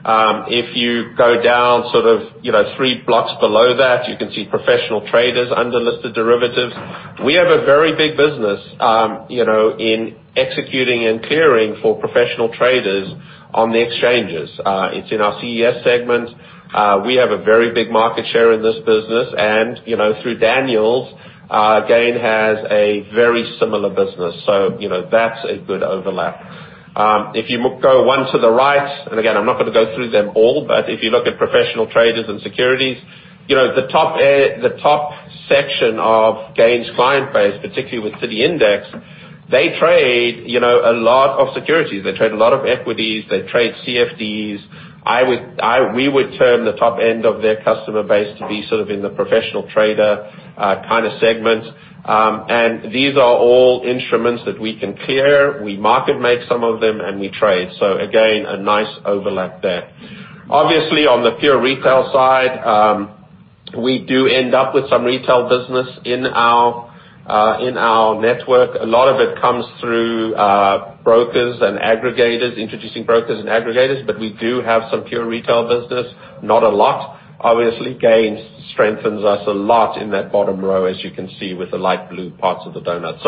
If you go down sort of three blocks below that, you can see professional traders under listed derivatives. We have a very big business in executing and clearing for professional traders on the exchanges. It's in our CES segment. We have a very big market share in this business, and through Daniels, GAIN has a very similar business, so that's a good overlap. If you go one to the right, and again, I'm not going to go through them all, but if you look at professional traders and securities, the top section of GAIN's client base, particularly with City Index, they trade a lot of securities. They trade a lot of equities. They trade CFDs. We would term the top end of their customer base to be sort of in the professional trader kind of segment. These are all instruments that we can clear. We market-make some of them, and we trade. Again, a nice overlap there. Obviously, on the pure retail side, we do end up with some retail business in our network. A lot of it comes through brokers and aggregators, introducing brokers and aggregators, but we do have some pure retail business. Not a lot. Obviously, GAIN strengthens us a lot in that bottom row, as you can see with the light blue parts of the donut.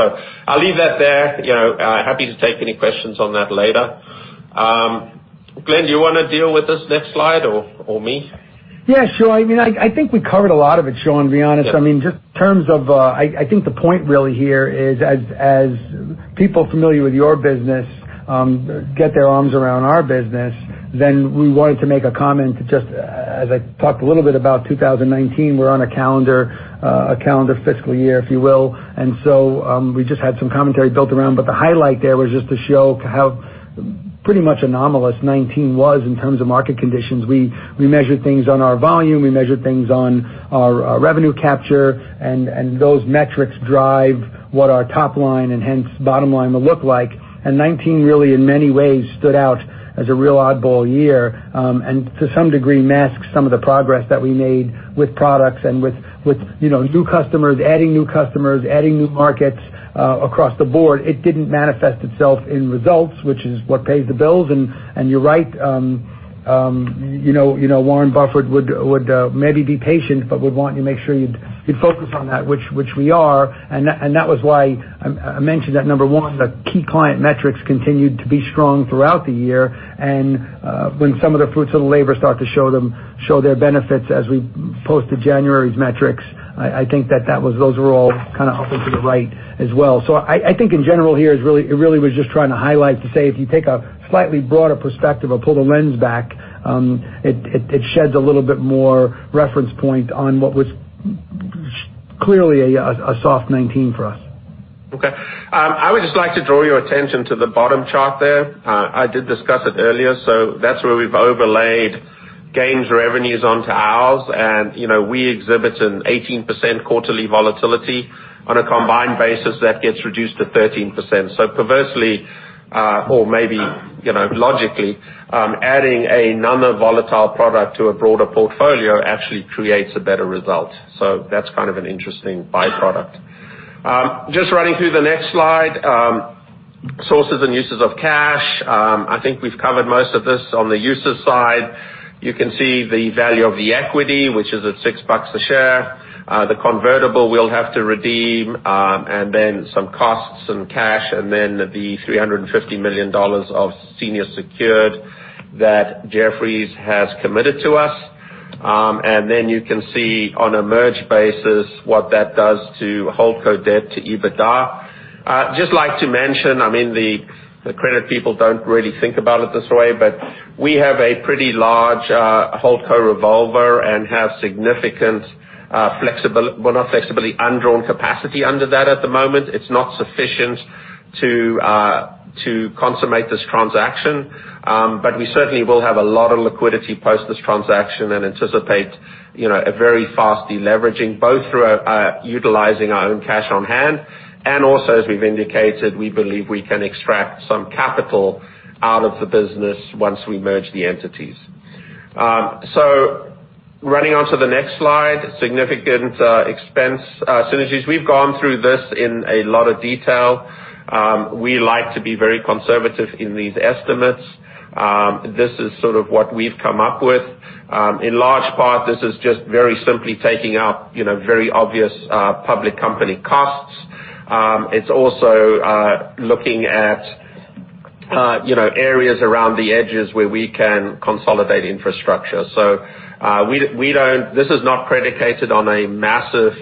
I'll leave that there. Happy to take any questions on that later. Glenn, do you want to deal with this next slide or me? Yeah, sure. I think we covered a lot of it, Sean, to be honest. I think the point really here is as people familiar with your business get their arms around our business, then we wanted to make a comment, just as I talked a little bit about 2019; we're on a calendar fiscal year, if you will. We just had some commentary built around it, but the highlight there was just to show how pretty much anomalous '19 was in terms of market conditions. We measured things on our volume, we measured things on our revenue capture, and those metrics drive what our top line and, hence, bottom line will look like. '19 really in many ways stood out as a real oddball year. To some degree, masks some of the progress that we made with products and with new customers: adding new customers, adding new markets across the board. It didn't manifest itself in results, which is what pays the bills, and you're right. Warren Buffett would maybe be patient but would want you to make sure you'd focus on that, which we are. That was why I mentioned that, number one, the key client metrics continued to be strong throughout the year. When some of the fruits of the labor start to show their benefits as we posted January's metrics, I think that those were all kind of up and to the right as well. I think in general here, it really was just trying to highlight to say, if you take a slightly broader perspective or pull the lens back, it sheds a little bit more reference point on what was clearly a soft 2019 for us. Okay. I would just like to draw your attention to the bottom chart there. I did discuss it earlier. That's where we've overlaid GAIN's revenues onto ours. We exhibit an 18% quarterly volatility. On a combined basis, that gets reduced to 13%. Perversely, or maybe logically, adding a number volatile products to a broader portfolio actually creates a better result. That's an interesting byproduct. Just running through the next slide, sources and uses of cash. I think we've covered most of this on the uses side. You can see the value of the equity, which is at $6 a share. The convertible we'll have to redeem, and then some costs and cash, and then the $350 million of senior secured that Jefferies has committed to us. Then you can see on a merged basis what that does to holdco debt to EBITDA. Just like to mention, the credit people don't really think about it this way, but we have a pretty large holdco revolver and have significant undrawn capacity under that at the moment. It's not sufficient to consummate this transaction. We certainly will have a lot of liquidity post this transaction and anticipate a very fast deleveraging, both through utilizing our own cash on hand, and also, as we've indicated, we believe we can extract some capital out of the business once we merge the entities. Running onto the next slide: significant expense synergies. We've gone through this in a lot of detail. We like to be very conservative in these estimates. This is sort of what we've come up with. In large part, this is just very simply taking out very obvious public company costs. It's also looking at areas around the edges where we can consolidate infrastructure. This is not predicated on a massive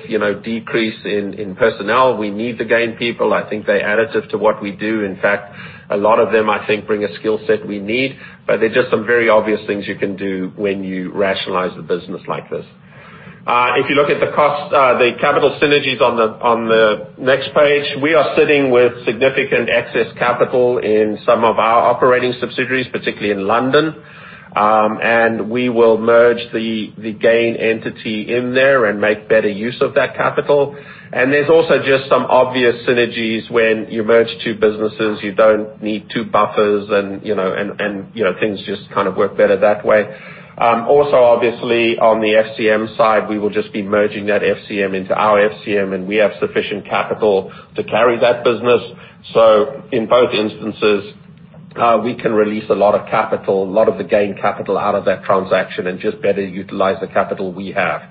decrease in personnel. We need to gain people. I think they're additive to what we do. In fact, a lot of them, I think, bring a skill set we need. There are just some very obvious things you can do when you rationalize a business like this. If you look at the capital synergies on the next page, we are sitting with significant excess capital in some of our operating subsidiaries, particularly in London. We will merge the GAIN entity in there and make better use of that capital. There's also just some obvious synergies when you merge two businesses. You don't need two buffers, and things just work better that way. Obviously on the FCM side, we will just be merging that FCM into our FCM, and we have sufficient capital to carry that business. In both instances, we can release a lot of capital, a lot of the GAIN Capital out of that transaction and just better utilize the capital we have.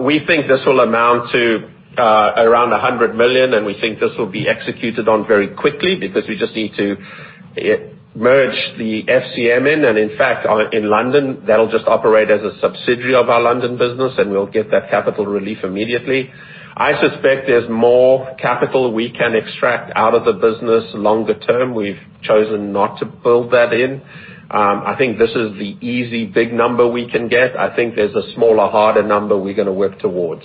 We think this will amount to around $100 million, and we think this will be executed on very quickly because we just need to merge the FCM in. In fact, in London, that'll just operate as a subsidiary of our London business, and we'll get that capital relief immediately. I suspect there's more capital we can extract out of the business longer term. We've chosen not to build that in. I think this is the easy, big number we can get. I think there's a smaller, harder number we're going to work towards.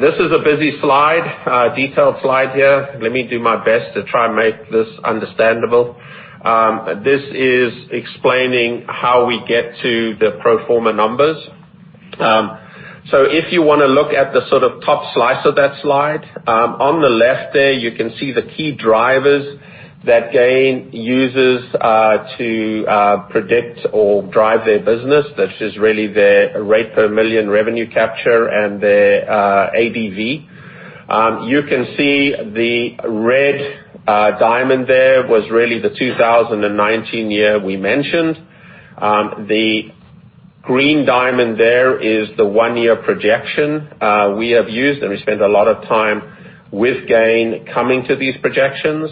This is a busy slide, detailed slide here. Let me do my best to try and make this understandable. This is explaining how we get to the pro forma numbers. If you want to look at the top slice of that slide, on the left there, you can see the key drivers that GAIN uses to predict or drive their business. That's just really their rate per million revenue capture and their ABV. You can see the red diamond there was really the 2019 year we mentioned. The green diamond there is the one-year projection we have used, and we spent a lot of time with GAIN coming to these projections.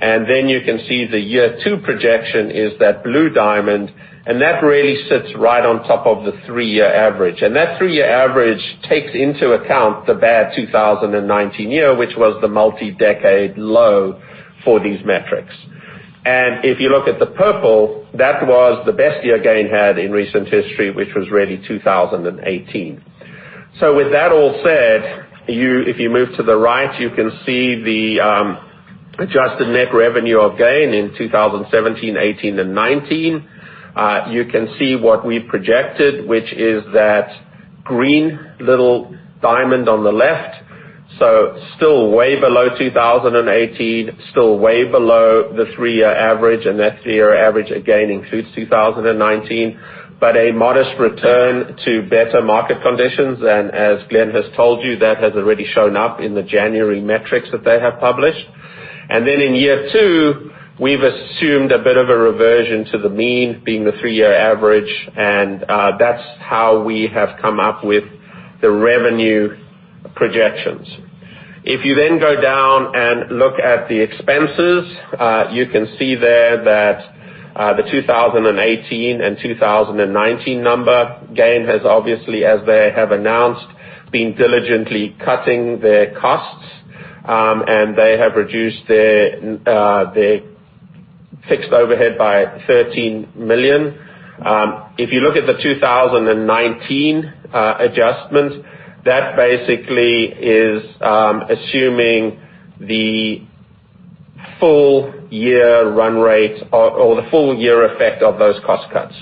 You can see the year two projection is that blue diamond, and that really sits right on top of the three-year average. That three-year average takes into account the bad 2019 year, which was the multi-decade low for these metrics. If you look at the purple, that was the best year GAIN had in recent history, which was really 2018. With that all said, if you move to the right, you can see the adjusted net revenue of GAIN in 2017, 2018, and 2019. You can see what we projected, which is that green little diamond on the left. Still way below 2018, still way below the three-year average, and that three-year average again includes 2019. A modest return to better market conditions. As Glenn has told you, that has already shown up in the January metrics that they have published. In year two, we've assumed a bit of a reversion to the mean being the three-year average, and that's how we have come up with the revenue projections. If you go down and look at the expenses, you can see there that the 2018 and 2019 numbers, GAIN has obviously, as they have announced, been diligently cutting their costs. They have reduced their fixed overhead by $13 million. If you look at the 2019 adjustment, that basically is assuming the full year run rate or the full year effect of those cost cuts.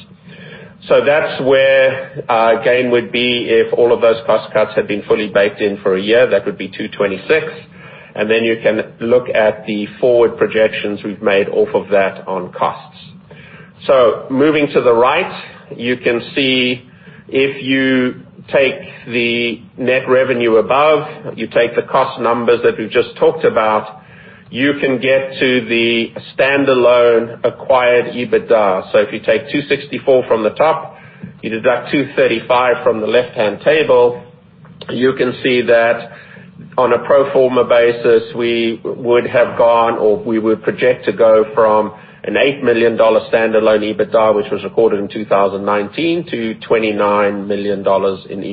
That's where GAIN would be if all of those cost cuts had been fully baked in for a year, that would be $226. Then you can look at the forward projections we've made off of that on costs. Moving to the right, you can see if you take the net revenue above, you take the cost numbers that we've just talked about, you can get to the standalone acquired EBITDA. If you take 264 from the top, you deduct 235 from the left-hand table, you can see that on a pro forma basis, we would have gone or we would project to go from an $8 million standalone EBITDA, which was recorded in 2019, to $29 million in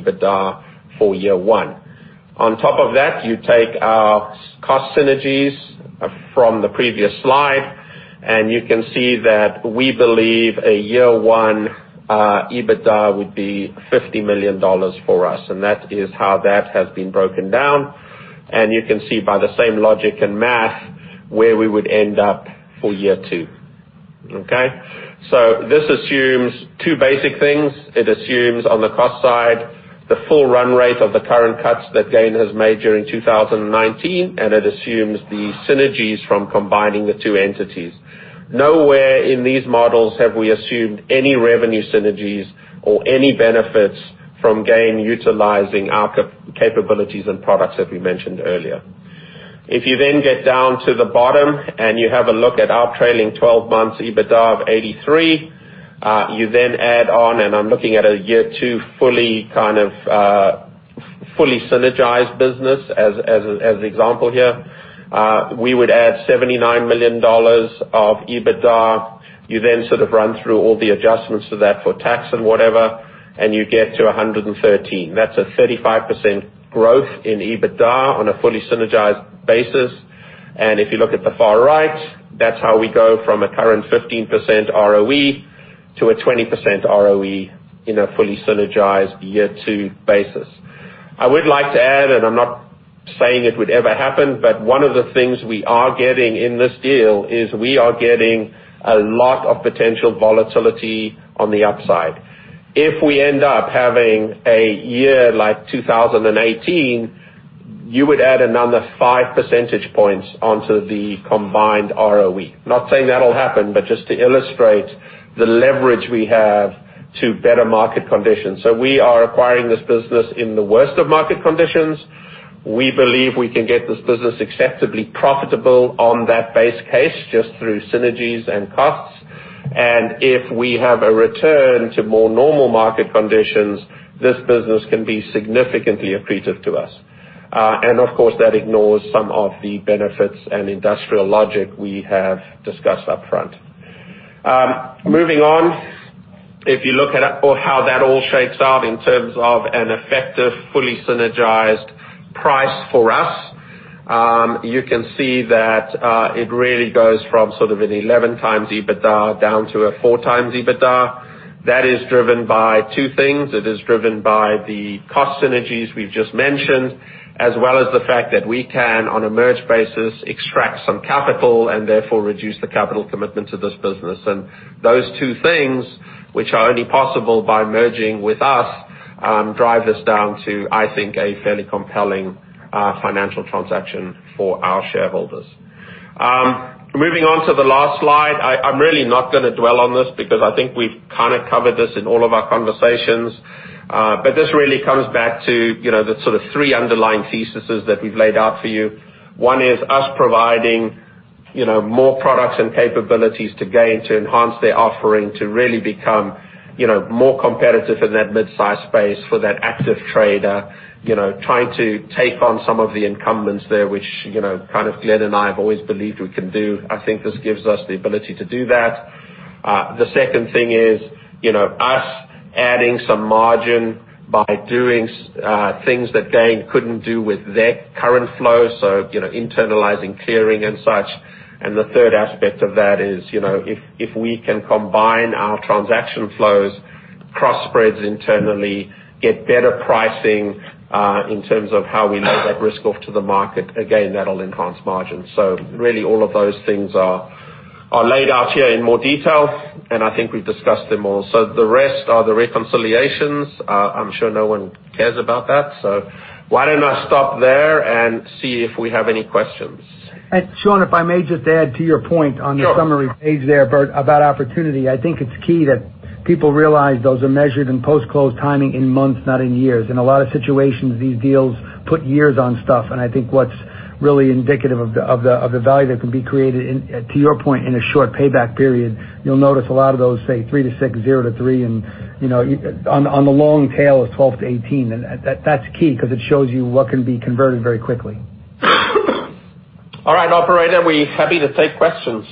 EBITDA for year one. On top of that, you take our cost synergies from the previous slide, you can see that we believe a year one EBITDA would be $50 million for us, and that is how that has been broken down. You can see by the same logic and math where we would end up for year two. Okay? This assumes two basic things. It assumes on the cost side, the full run rate of the current cuts that GAIN has made during 2019, and it assumes the synergies from combining the two entities. Nowhere in these models have we assumed any revenue synergies or any benefits from GAIN utilizing our capabilities and products that we mentioned earlier. If you get down to the bottom and you have a look at our trailing 12 months' EBITDA of $83 million, you add on, and I'm looking at a year two fully synergized business as the example here. We would add $79 million of EBITDA. You run through all the adjustments to that for tax and whatever, and you get to $113 million. That's a 35% growth in EBITDA on a fully synergized basis. If you look at the far right, that's how we go from a current 15% ROE to a 20% ROE in a fully synergized year-two basis. I would like to add, and I am not saying it would ever happen, but one of the things we are getting in this deal is we are getting a lot of potential volatility on the upside. If we end up having a year like 2018, you would add another five percentage points onto the combined ROE. Not saying that will happen, but just to illustrate the leverage we have to better market conditions. We are acquiring this business in the worst of market conditions. We believe we can get this business acceptably profitable on that base case just through synergies and costs. If we have a return to more normal market conditions, this business can be significantly accretive to us. Of course, that ignores some of the benefits and industrial logic we have discussed upfront. Moving on, if you look at how that all shakes out in terms of an effective, fully synergized price for us, you can see that it really goes from an 11x EBITDA down to a 4x EBITDA. That is driven by two things. It is driven by the cost synergies we've just mentioned, as well as the fact that we can, on a merge basis, extract some capital and therefore reduce the capital commitment to this business. Those two things, which are only possible by merging with us, drive us down to, I think, a fairly compelling financial transaction for our shareholders. Moving on to the last slide. I'm really not going to dwell on this because I think we've covered this in all of our conversations. This really comes back to the three underlying theses that we've laid out for you. One is us providing more products and capabilities to GAIN to enhance their offering, to really become more competitive in that mid-size space for that active trader, trying to take on some of the incumbents there, which Glenn and I have always believed we can do. I think this gives us the ability to do that. The second thing is us adding some margin by doing things that GAIN couldn't do with their current flow, so internalizing clearing and such. The third aspect of that is if we can combine our transaction flows, cross-spread internally, get better pricing in terms of how we move that risk off to the market, again, that'll enhance margin. Really all of those things are laid out here in more detail, and I think we've discussed them all. The rest are the reconciliations. I'm sure no one cares about that. Why don't I stop there and see if we have any questions? Sean, if I may just add to your point on the summary page there. Sure About opportunity. I think it's key that people realize those are measured in post-close timing in months, not in years. In a lot of situations, these deals put years on stuff, and I think what's really indicative of the value that can be created, to your point, in a short payback period, you'll notice a lot of those say three to six, zero to three, and on the long tail is 12 to 18. That's key because it shows you what can be converted very quickly. All right, operator, we're happy to take questions.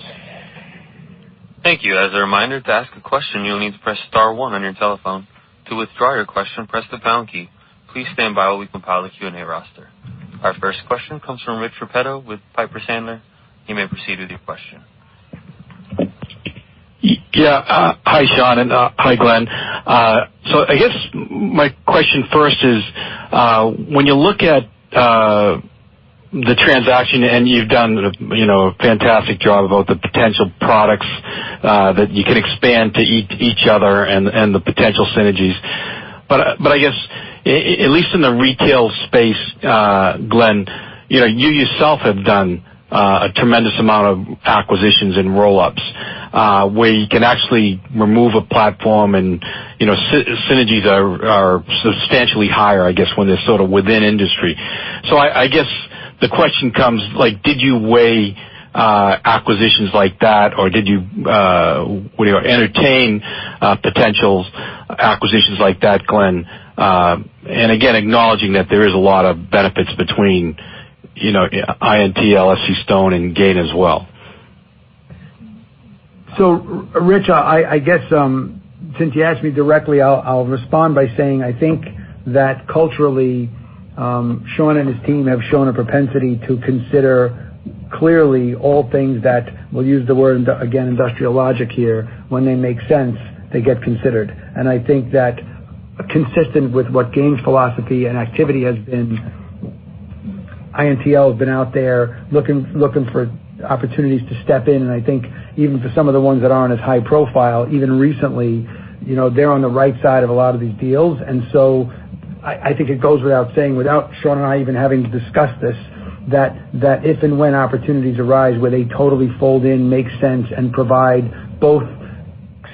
Thank you. As a reminder, to ask a question, you'll need to press star one on your telephone. To withdraw your question, press the pound key. Please stand by while we compile the Q&A roster. Our first question comes from Richard Repetto with Piper Sandler. You may proceed with your question. Hi, Sean, and hi, Glenn. I guess my question first is, when you look at the transaction and you've done a fantastic job about the potential products that you can expand to each other and the potential synergies? I guess, at least in the retail space, Glenn, you yourself have done a tremendous amount of acquisitions and roll-ups, where you can actually remove a platform and synergies are substantially higher, I guess, when they're sort of within industry. I guess the question comes: did you weigh acquisitions like that, or did you entertain potential acquisitions like that, Glenn? Again, acknowledging that there is a lot of benefits between INTL FCStone and GAIN as well. Richard, I guess since you asked me directly, I'll respond by saying I think that culturally, Sean and his team have shown a propensity to consider clearly all things that we'll use the word again, industrial logic here. When they make sense, they get considered. I think that consistent with what GAIN's philosophy and activity has been, INTL has been out there looking for opportunities to step in, and I think even for some of the ones that aren't as high profile, even recently, they're on the right side of a lot of these deals. I think it goes without saying, without Sean and I even having to discuss this, that if and when opportunities arise where they totally fold in, make sense, and provide both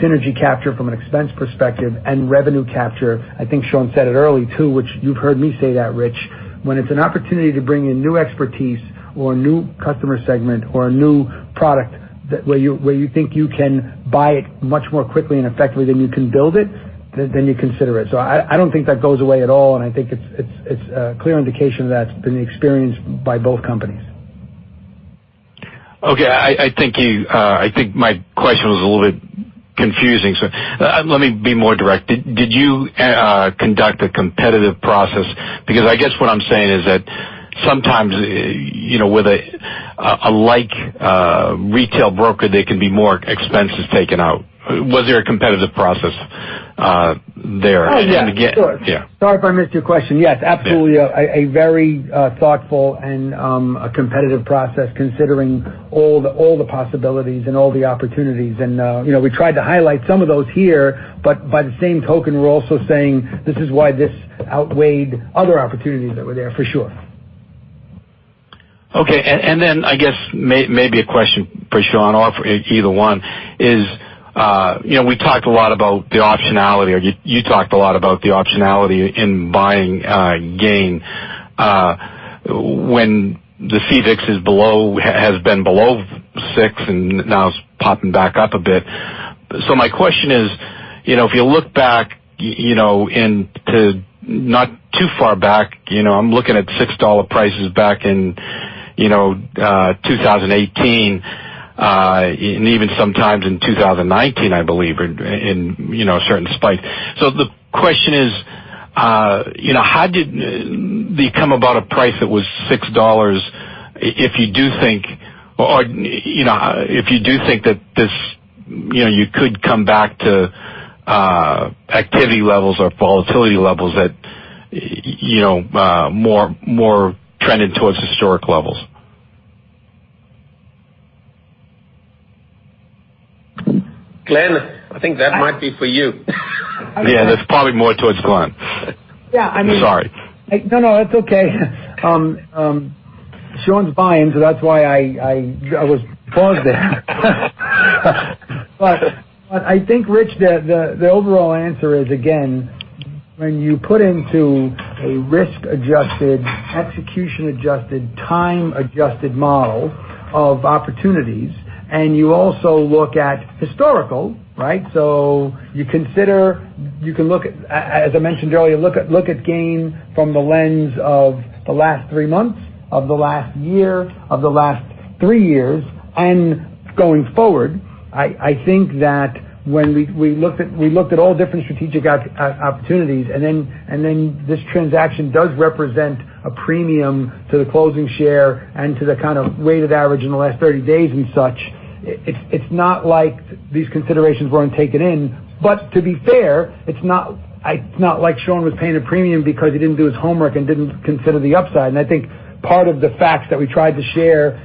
synergy capture from an expense perspective and revenue capture. I think Sean said it early too, which you've heard me say that, Rich. When it's an opportunity to bring in new expertise or a new customer segment or a new product where you think you can buy it much more quickly and effectively than you can build it, then you consider it. I don't think that goes away at all, and I think it's a clear indication that's been experienced by both companies. Okay, I think my question was a little bit confusing, so let me be more direct. Did you conduct a competitive process? I guess what I'm saying is that sometimes, with a like retail broker, there can be more expenses taken out. Was there a competitive process there? Oh, yeah. Sure. Yeah. Sorry if I missed your question. Yes, absolutely. A very thoughtful and competitive process considering all the possibilities and all the opportunities. We tried to highlight some of those here, but by the same token, we're also saying this is why this outweighed other opportunities that were there, for sure. Okay. I guess maybe a question for Sean or for either one is we talked a lot about the optionality. You talked a lot about the optionality in buying GAIN. The CVIX has been below six, and now it's popping back up a bit. My question is, if you look back to not too far back, I'm looking at $6 prices back in 2018, and even sometimes in 2019, I believe, in a certain spike. The question is, how did they come about a price that was $6 if you do think that you could come back to activity levels or volatility levels that more trended towards historic levels? Glenn, I think that might be for you. Yeah, that's probably more towards Glenn. Yeah. Sorry. No, that's okay. Sean's buying, so that's why I was paused there. I think, Rich, the overall answer is, again, when you put into a risk-adjusted, execution-adjusted, time-adjusted model of opportunities, and you also look at historical, right? You can look, as I mentioned earlier, look at GAIN from the lens of the last three months, of the last year, of the last three years, and going forward. I think that when we looked at all different strategic opportunities, and then this transaction does represent a premium to the closing share and to the kind of weighted average in the last 30 days and such. It's not like these considerations weren't taken in. To be fair, it's not like Sean was paying a premium because he didn't do his homework and didn't consider the upside. I think part of the facts that we tried to share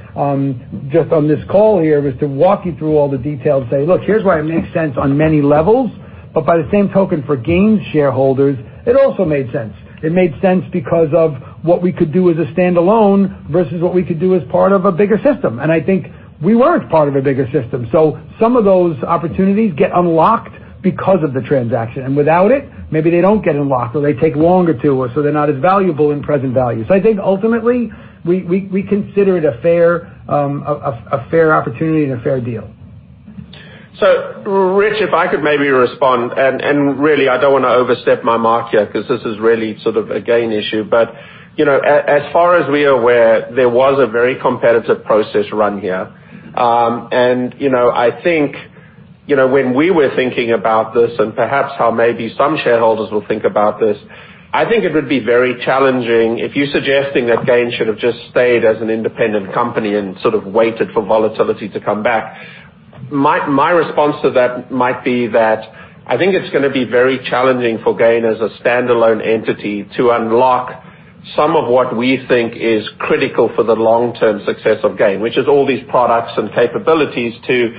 just on this call here was to walk you through all the details and say, "Look, here's why it makes sense on many levels." By the same token, for GAIN's shareholders, it also made sense. It made sense because of what we could do as a standalone versus what we could do as part of a bigger system. I think we were part of a bigger system. Some of those opportunities get unlocked because of the transaction. Without it, maybe they don't get unlocked, or they take longer to, or they're not as valuable in present value. I think ultimately, we consider it a fair opportunity and a fair deal. Rich, if I could maybe respond, I don't want to overstep my mark here because this is really sort of a GAIN issue. As far as we're aware, there was a very competitive process run here. I think when we were thinking about this and perhaps how maybe some shareholders will think about this, I think it would be very challenging if you're suggesting that GAIN should have just stayed as an independent company and sort of waited for volatility to come back. My response to that might be that I think it's going to be very challenging for GAIN as a standalone entity to unlock some of what we think is critical for the long-term success of GAIN, which is all these products and capabilities to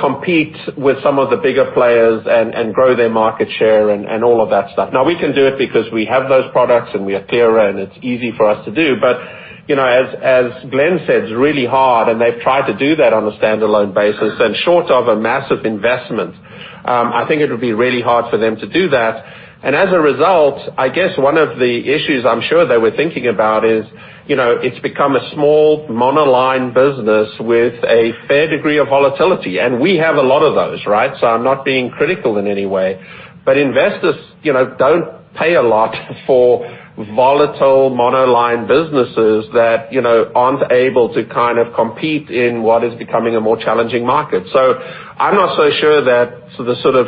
compete with some of the bigger players and grow their market share and all of that stuff. Now, we can do it because we have those products, and we are clear, and it's easy for us to do. As Glenn said, it's really hard, and they've tried to do that on a standalone basis. Short of a massive investment, I think it would be really hard for them to do that. As a result, I guess one of the issues I'm sure they were thinking about is it's become a small monoline business with a fair degree of volatility. We have a lot of those, right? I'm not being critical in any way, but investors don't pay a lot for volatile monoline businesses that aren't able to compete in what is becoming a more challenging market. I'm not so sure that the sort of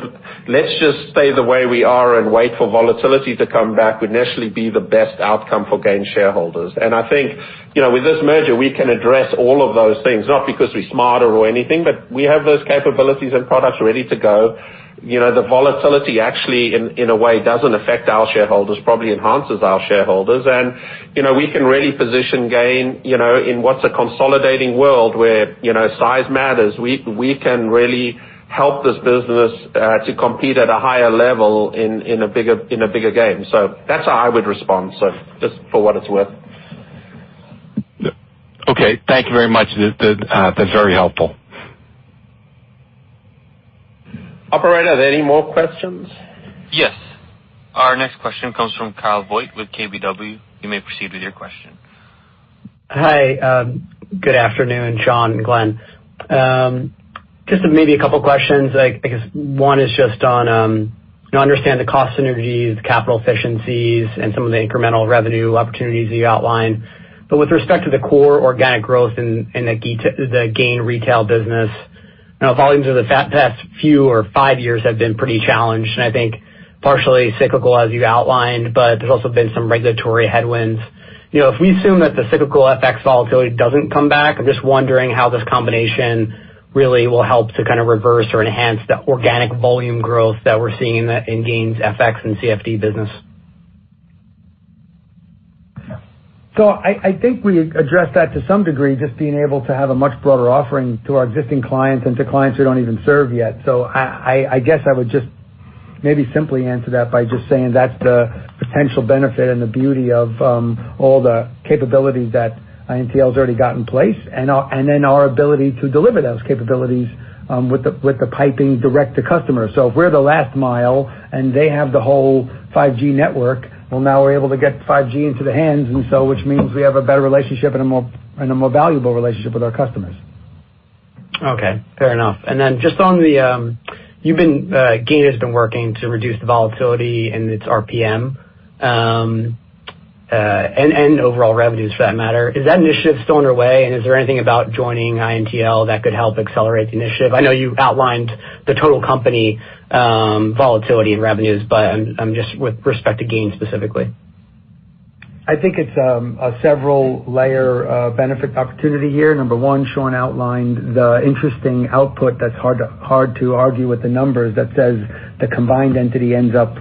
"let's just stay the way we are and wait for volatility to come back" would necessarily be the best outcome for GAIN shareholders. I think, with this merger, we can address all of those things, not because we're smarter or anything, but we have those capabilities and products ready to go. The volatility, actually, in a way, doesn't affect our shareholders; it probably enhances our shareholders. We can really position GAIN in what's a consolidating world where size matters. We can really help this business to compete at a higher level in a bigger game. That's how I would respond. Just for what it's worth. Okay. Thank you very much. That's very helpful. Operator, are there any more questions? Yes. Our next question comes from Kyle Voigt with KBW. You may proceed with your question. Good afternoon, Sean and Glenn. Maybe two questions. I understand the cost synergies, capital efficiencies, and some of the incremental revenue opportunities that you outlined. With respect to the core organic growth in the GAIN retail business, volumes over the past five years have been pretty challenged, and I think partially cyclical, as you outlined, but there's also been some regulatory headwinds. If we assume that the cyclical FX volatility doesn't come back, I'm just wondering how this combination really will help to kind of reverse or enhance the organic volume growth that we're seeing in GAIN's FX and CFD business. I think we addressed that to some degree, just being able to have a much broader offering to our existing clients and to clients we don't even serve yet. I guess I would just maybe simply answer that by just saying that's the potential benefit and the beauty of all the capabilities that INTL's already got in place, and then our ability to deliver those capabilities with the piping direct to customer. If we're the last mile and they have the whole 5G network, well, now we're able to get 5G into the hands, which means we have a better relationship and a more valuable relationship with our customers. Okay, fair enough. Then just on the-- GAIN has been working to reduce the volatility in its RPM, and overall revenues for that matter. Is that initiative still underway, and is there anything about joining INTL that could help accelerate the initiative? I know you outlined the total company volatility in revenues, but just with respect to GAIN specifically. I think it's a several layer of benefit opportunity here. Number one, Sean outlined the interesting output that's hard to argue with the numbers that says the combined entity ends up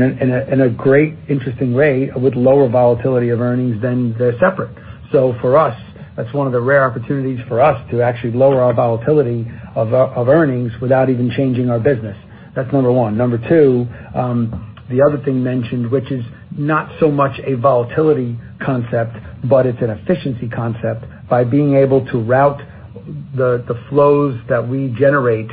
in a great, interesting way with lower volatility of earnings than they're separate. For us, that's one of the rare opportunities for us to actually lower our volatility of earnings without even changing our business. That's number one. Number two, the other thing mentioned, which is not so much a volatility concept but it's an efficiency concept, by being able to route the flows that we generate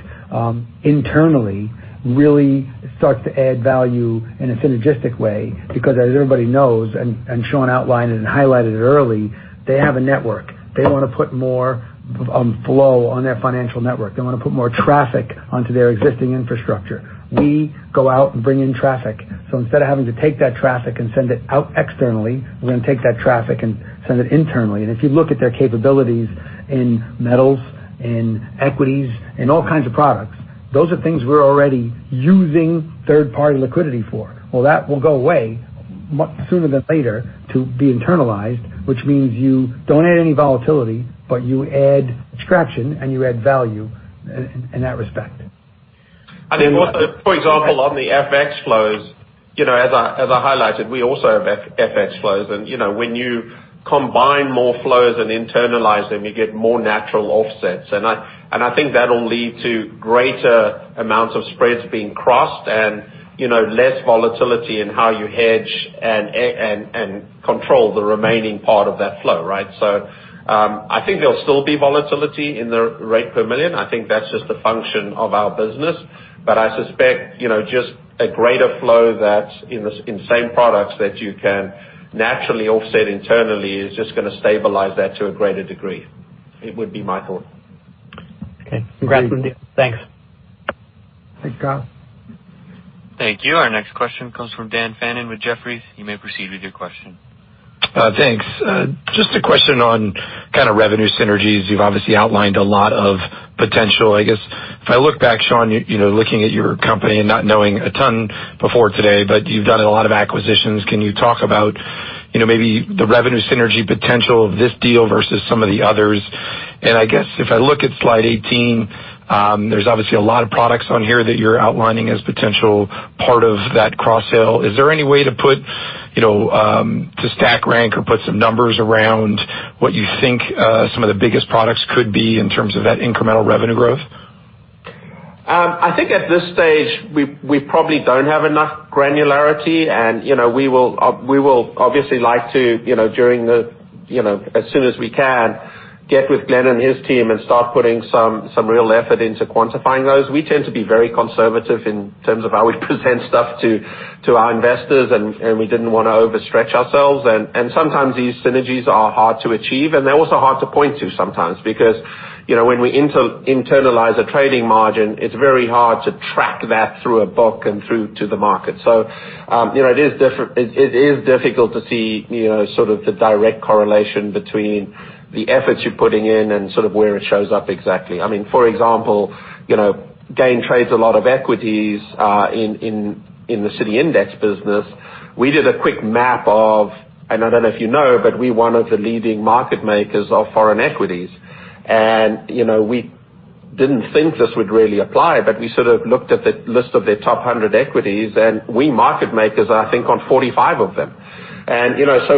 internally really start to add value in a synergistic way because, as everybody knows, and Sean outlined it and highlighted it early, they have a network. They want to put more flow on their financial network. They want to put more traffic onto their existing infrastructure. We go out and bring in traffic. Instead of having to take that traffic and send it out externally, we're going to take that traffic and send it internally. If you look at their capabilities in metals and equities and all kinds of products, those are things we're already using third-party liquidity for. Well, that will go away sooner than later to be internalized, which means you don't add any volatility, but you add traction, and you add value in that respect. For example, on the FX flows, as I highlighted, we also have FX flows. When you combine more flows and internalize them, you get more natural offsets. I think that'll lead to greater amounts of spreads being crossed and less volatility in how you hedge and control the remaining part of that flow, right? I think there'll still be volatility in the rate per million. I think that's just a function of our business. I suspect just a greater flow that in the same products that you can naturally offset internally is just going to stabilize that to a greater degree. It would be my thought. Okay. Congrats. Thanks. Thanks, Kyle. Thank you. Our next question comes from Daniel Fannon with Jefferies. You may proceed with your question. Thanks. Just a question on revenue synergies. You've obviously outlined a lot of potential. I guess, if I look back, Sean, looking at your company and not knowing a ton before today, but you've done a lot of acquisitions. Can you talk about maybe the revenue synergy potential of this deal versus some of the others? I guess if I look at slide 18, there's obviously a lot of products on here that you're outlining as potential part of that cross-sell. Is there any way to stack rank or put some numbers around what you think some of the biggest products could be in terms of that incremental revenue growth? I think at this stage, we probably don't have enough granularity. We will obviously like to, as soon as we can, get with Glenn and his team and start putting some real effort into quantifying those. We tend to be very conservative in terms of how we present stuff to our investors. We didn't want to overstretch ourselves. Sometimes these synergies are hard to achieve, and they're also hard to point to sometimes, because when we internalize a trading margin, it's very hard to track that through a book and through to the market. It is difficult to see sort of the direct correlation between the efforts you're putting in and sort of where it shows up exactly. For example, GAIN trades a lot of equities in the City Index business. We did a quick map of, I don't know if you know, but we're one of the leading market makers of foreign equities. We didn't think this would really apply, but we sort of looked at the list of their top 100 equities, and we market makers, I think, on 45 of them.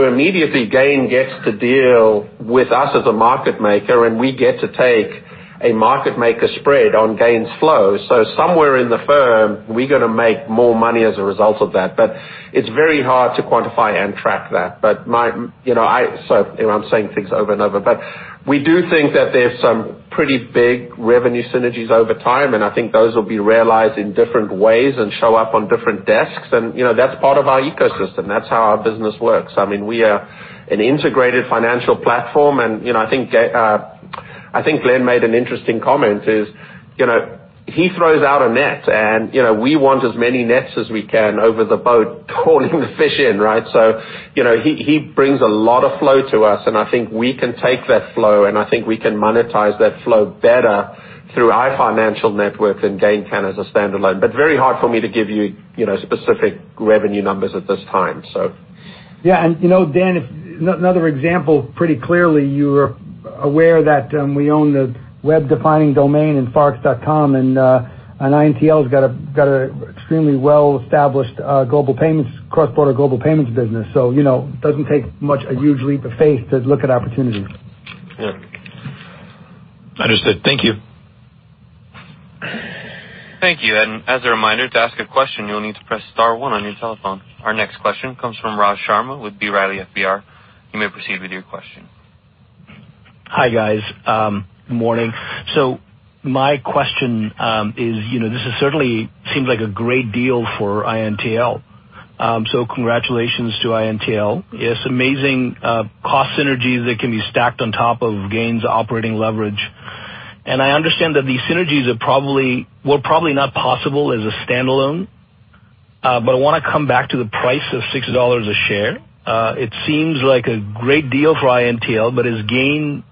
Immediately, GAIN gets to deal with us as a market maker, and we get to take a market maker spread on GAIN's flow. Somewhere in the firm, we're going to make more money as a result of that. It's very hard to quantify and track that, but I'm saying things over and over. We do think that there's some pretty big revenue synergies over time, and I think those will be realized in different ways and show up on different desks. That's part of our ecosystem. That's how our business works. I think Glenn made an interesting comment is, he throws out a net, and we want as many nets as we can over the boat pulling the fish in, right? He brings a lot of flow to us, and I think we can take that flow, and I think we can monetize that flow better through our financial network than GAIN can as a standalone. Very hard for me to give you specific revenue numbers at this time. Yeah. Dan, another example, pretty clearly, you're aware that we own the web-defining domain in forex.com; INTL's got an extremely well-established cross-border global payments business. It doesn't take much of a huge leap of faith to look at opportunities. Yeah. Understood. Thank you. Thank you. As a reminder, to ask a question, you'll need to press star one on your telephone. Our next question comes from Raj Sharma with B. Riley FBR. You may proceed with your question. Hi, guys. Morning. My question is, this certainly seems like a great deal for INTL. Congratulations to INTL. It's amazing cost synergies that can be stacked on top of GAIN's operating leverage. I understand that these synergies were probably not possible as a standalone. I want to come back to the price of $6 a share. It seems like a great deal for INTL, but is GAIN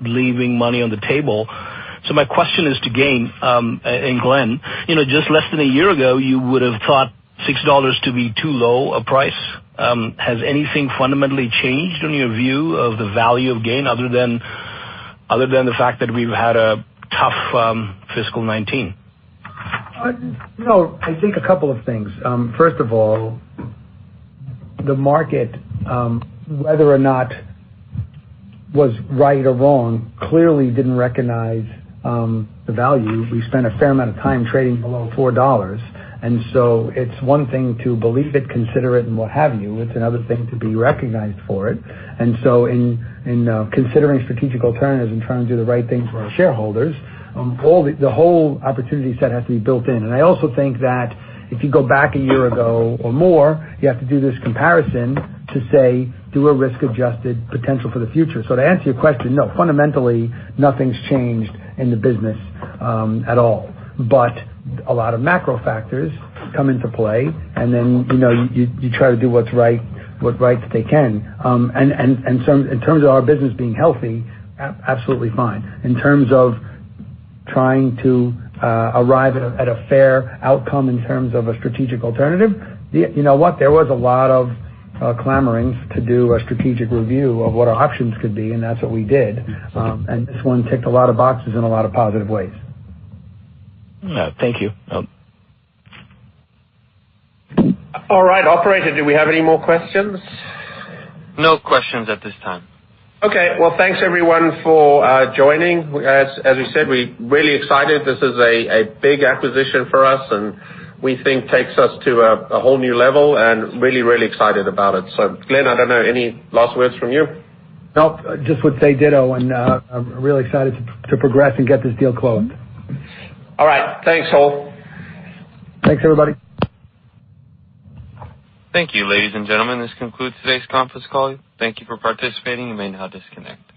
leaving money on the table? My question is to GAIN, and Glenn. Just less than a year ago, you would have thought $6 to be too low a price. Has anything fundamentally changed in your view of the value of GAIN, other than the fact that we've had a tough fiscal 2019? No. I think a couple of things. First of all, the market, whether or not was right or wrong, clearly didn't recognize the value. We spent a fair amount of time trading below $4. It's one thing to believe it, consider it, and what have you. It's another thing to be recognized for it. In considering strategic alternatives and trying to do the right thing for our shareholders, the whole opportunity set has to be built in. I also think that if you go back a year ago or more, you have to do this comparison to, say, do a risk-adjusted potential for the future. To answer your question, no, fundamentally, nothing's changed in the business at all. A lot of macro factors come into play, and then you try to do what's right that they can. In terms of our business being healthy, absolutely fine. In terms of trying to arrive at a fair outcome in terms of a strategic alternative, you know what, there was a lot of clamoring to do a strategic review of what our options could be, and that's what we did. This one ticked a lot of boxes in a lot of positive ways. Thank you. All right. Operator, do we have any more questions? No questions at this time. Okay. Well, thanks everyone for joining. As we said, we're really excited. This is a big acquisition for us, and we think takes us to a whole new level, and really, really excited about it. Glenn, I don't know, any last words from you? Nope. Just would say ditto, and I'm really excited to progress and get this deal closed. All right. Thanks all. Thanks everybody. Thank you, ladies and gentlemen; this concludes today's conference call. Thank you for participating. You may now disconnect.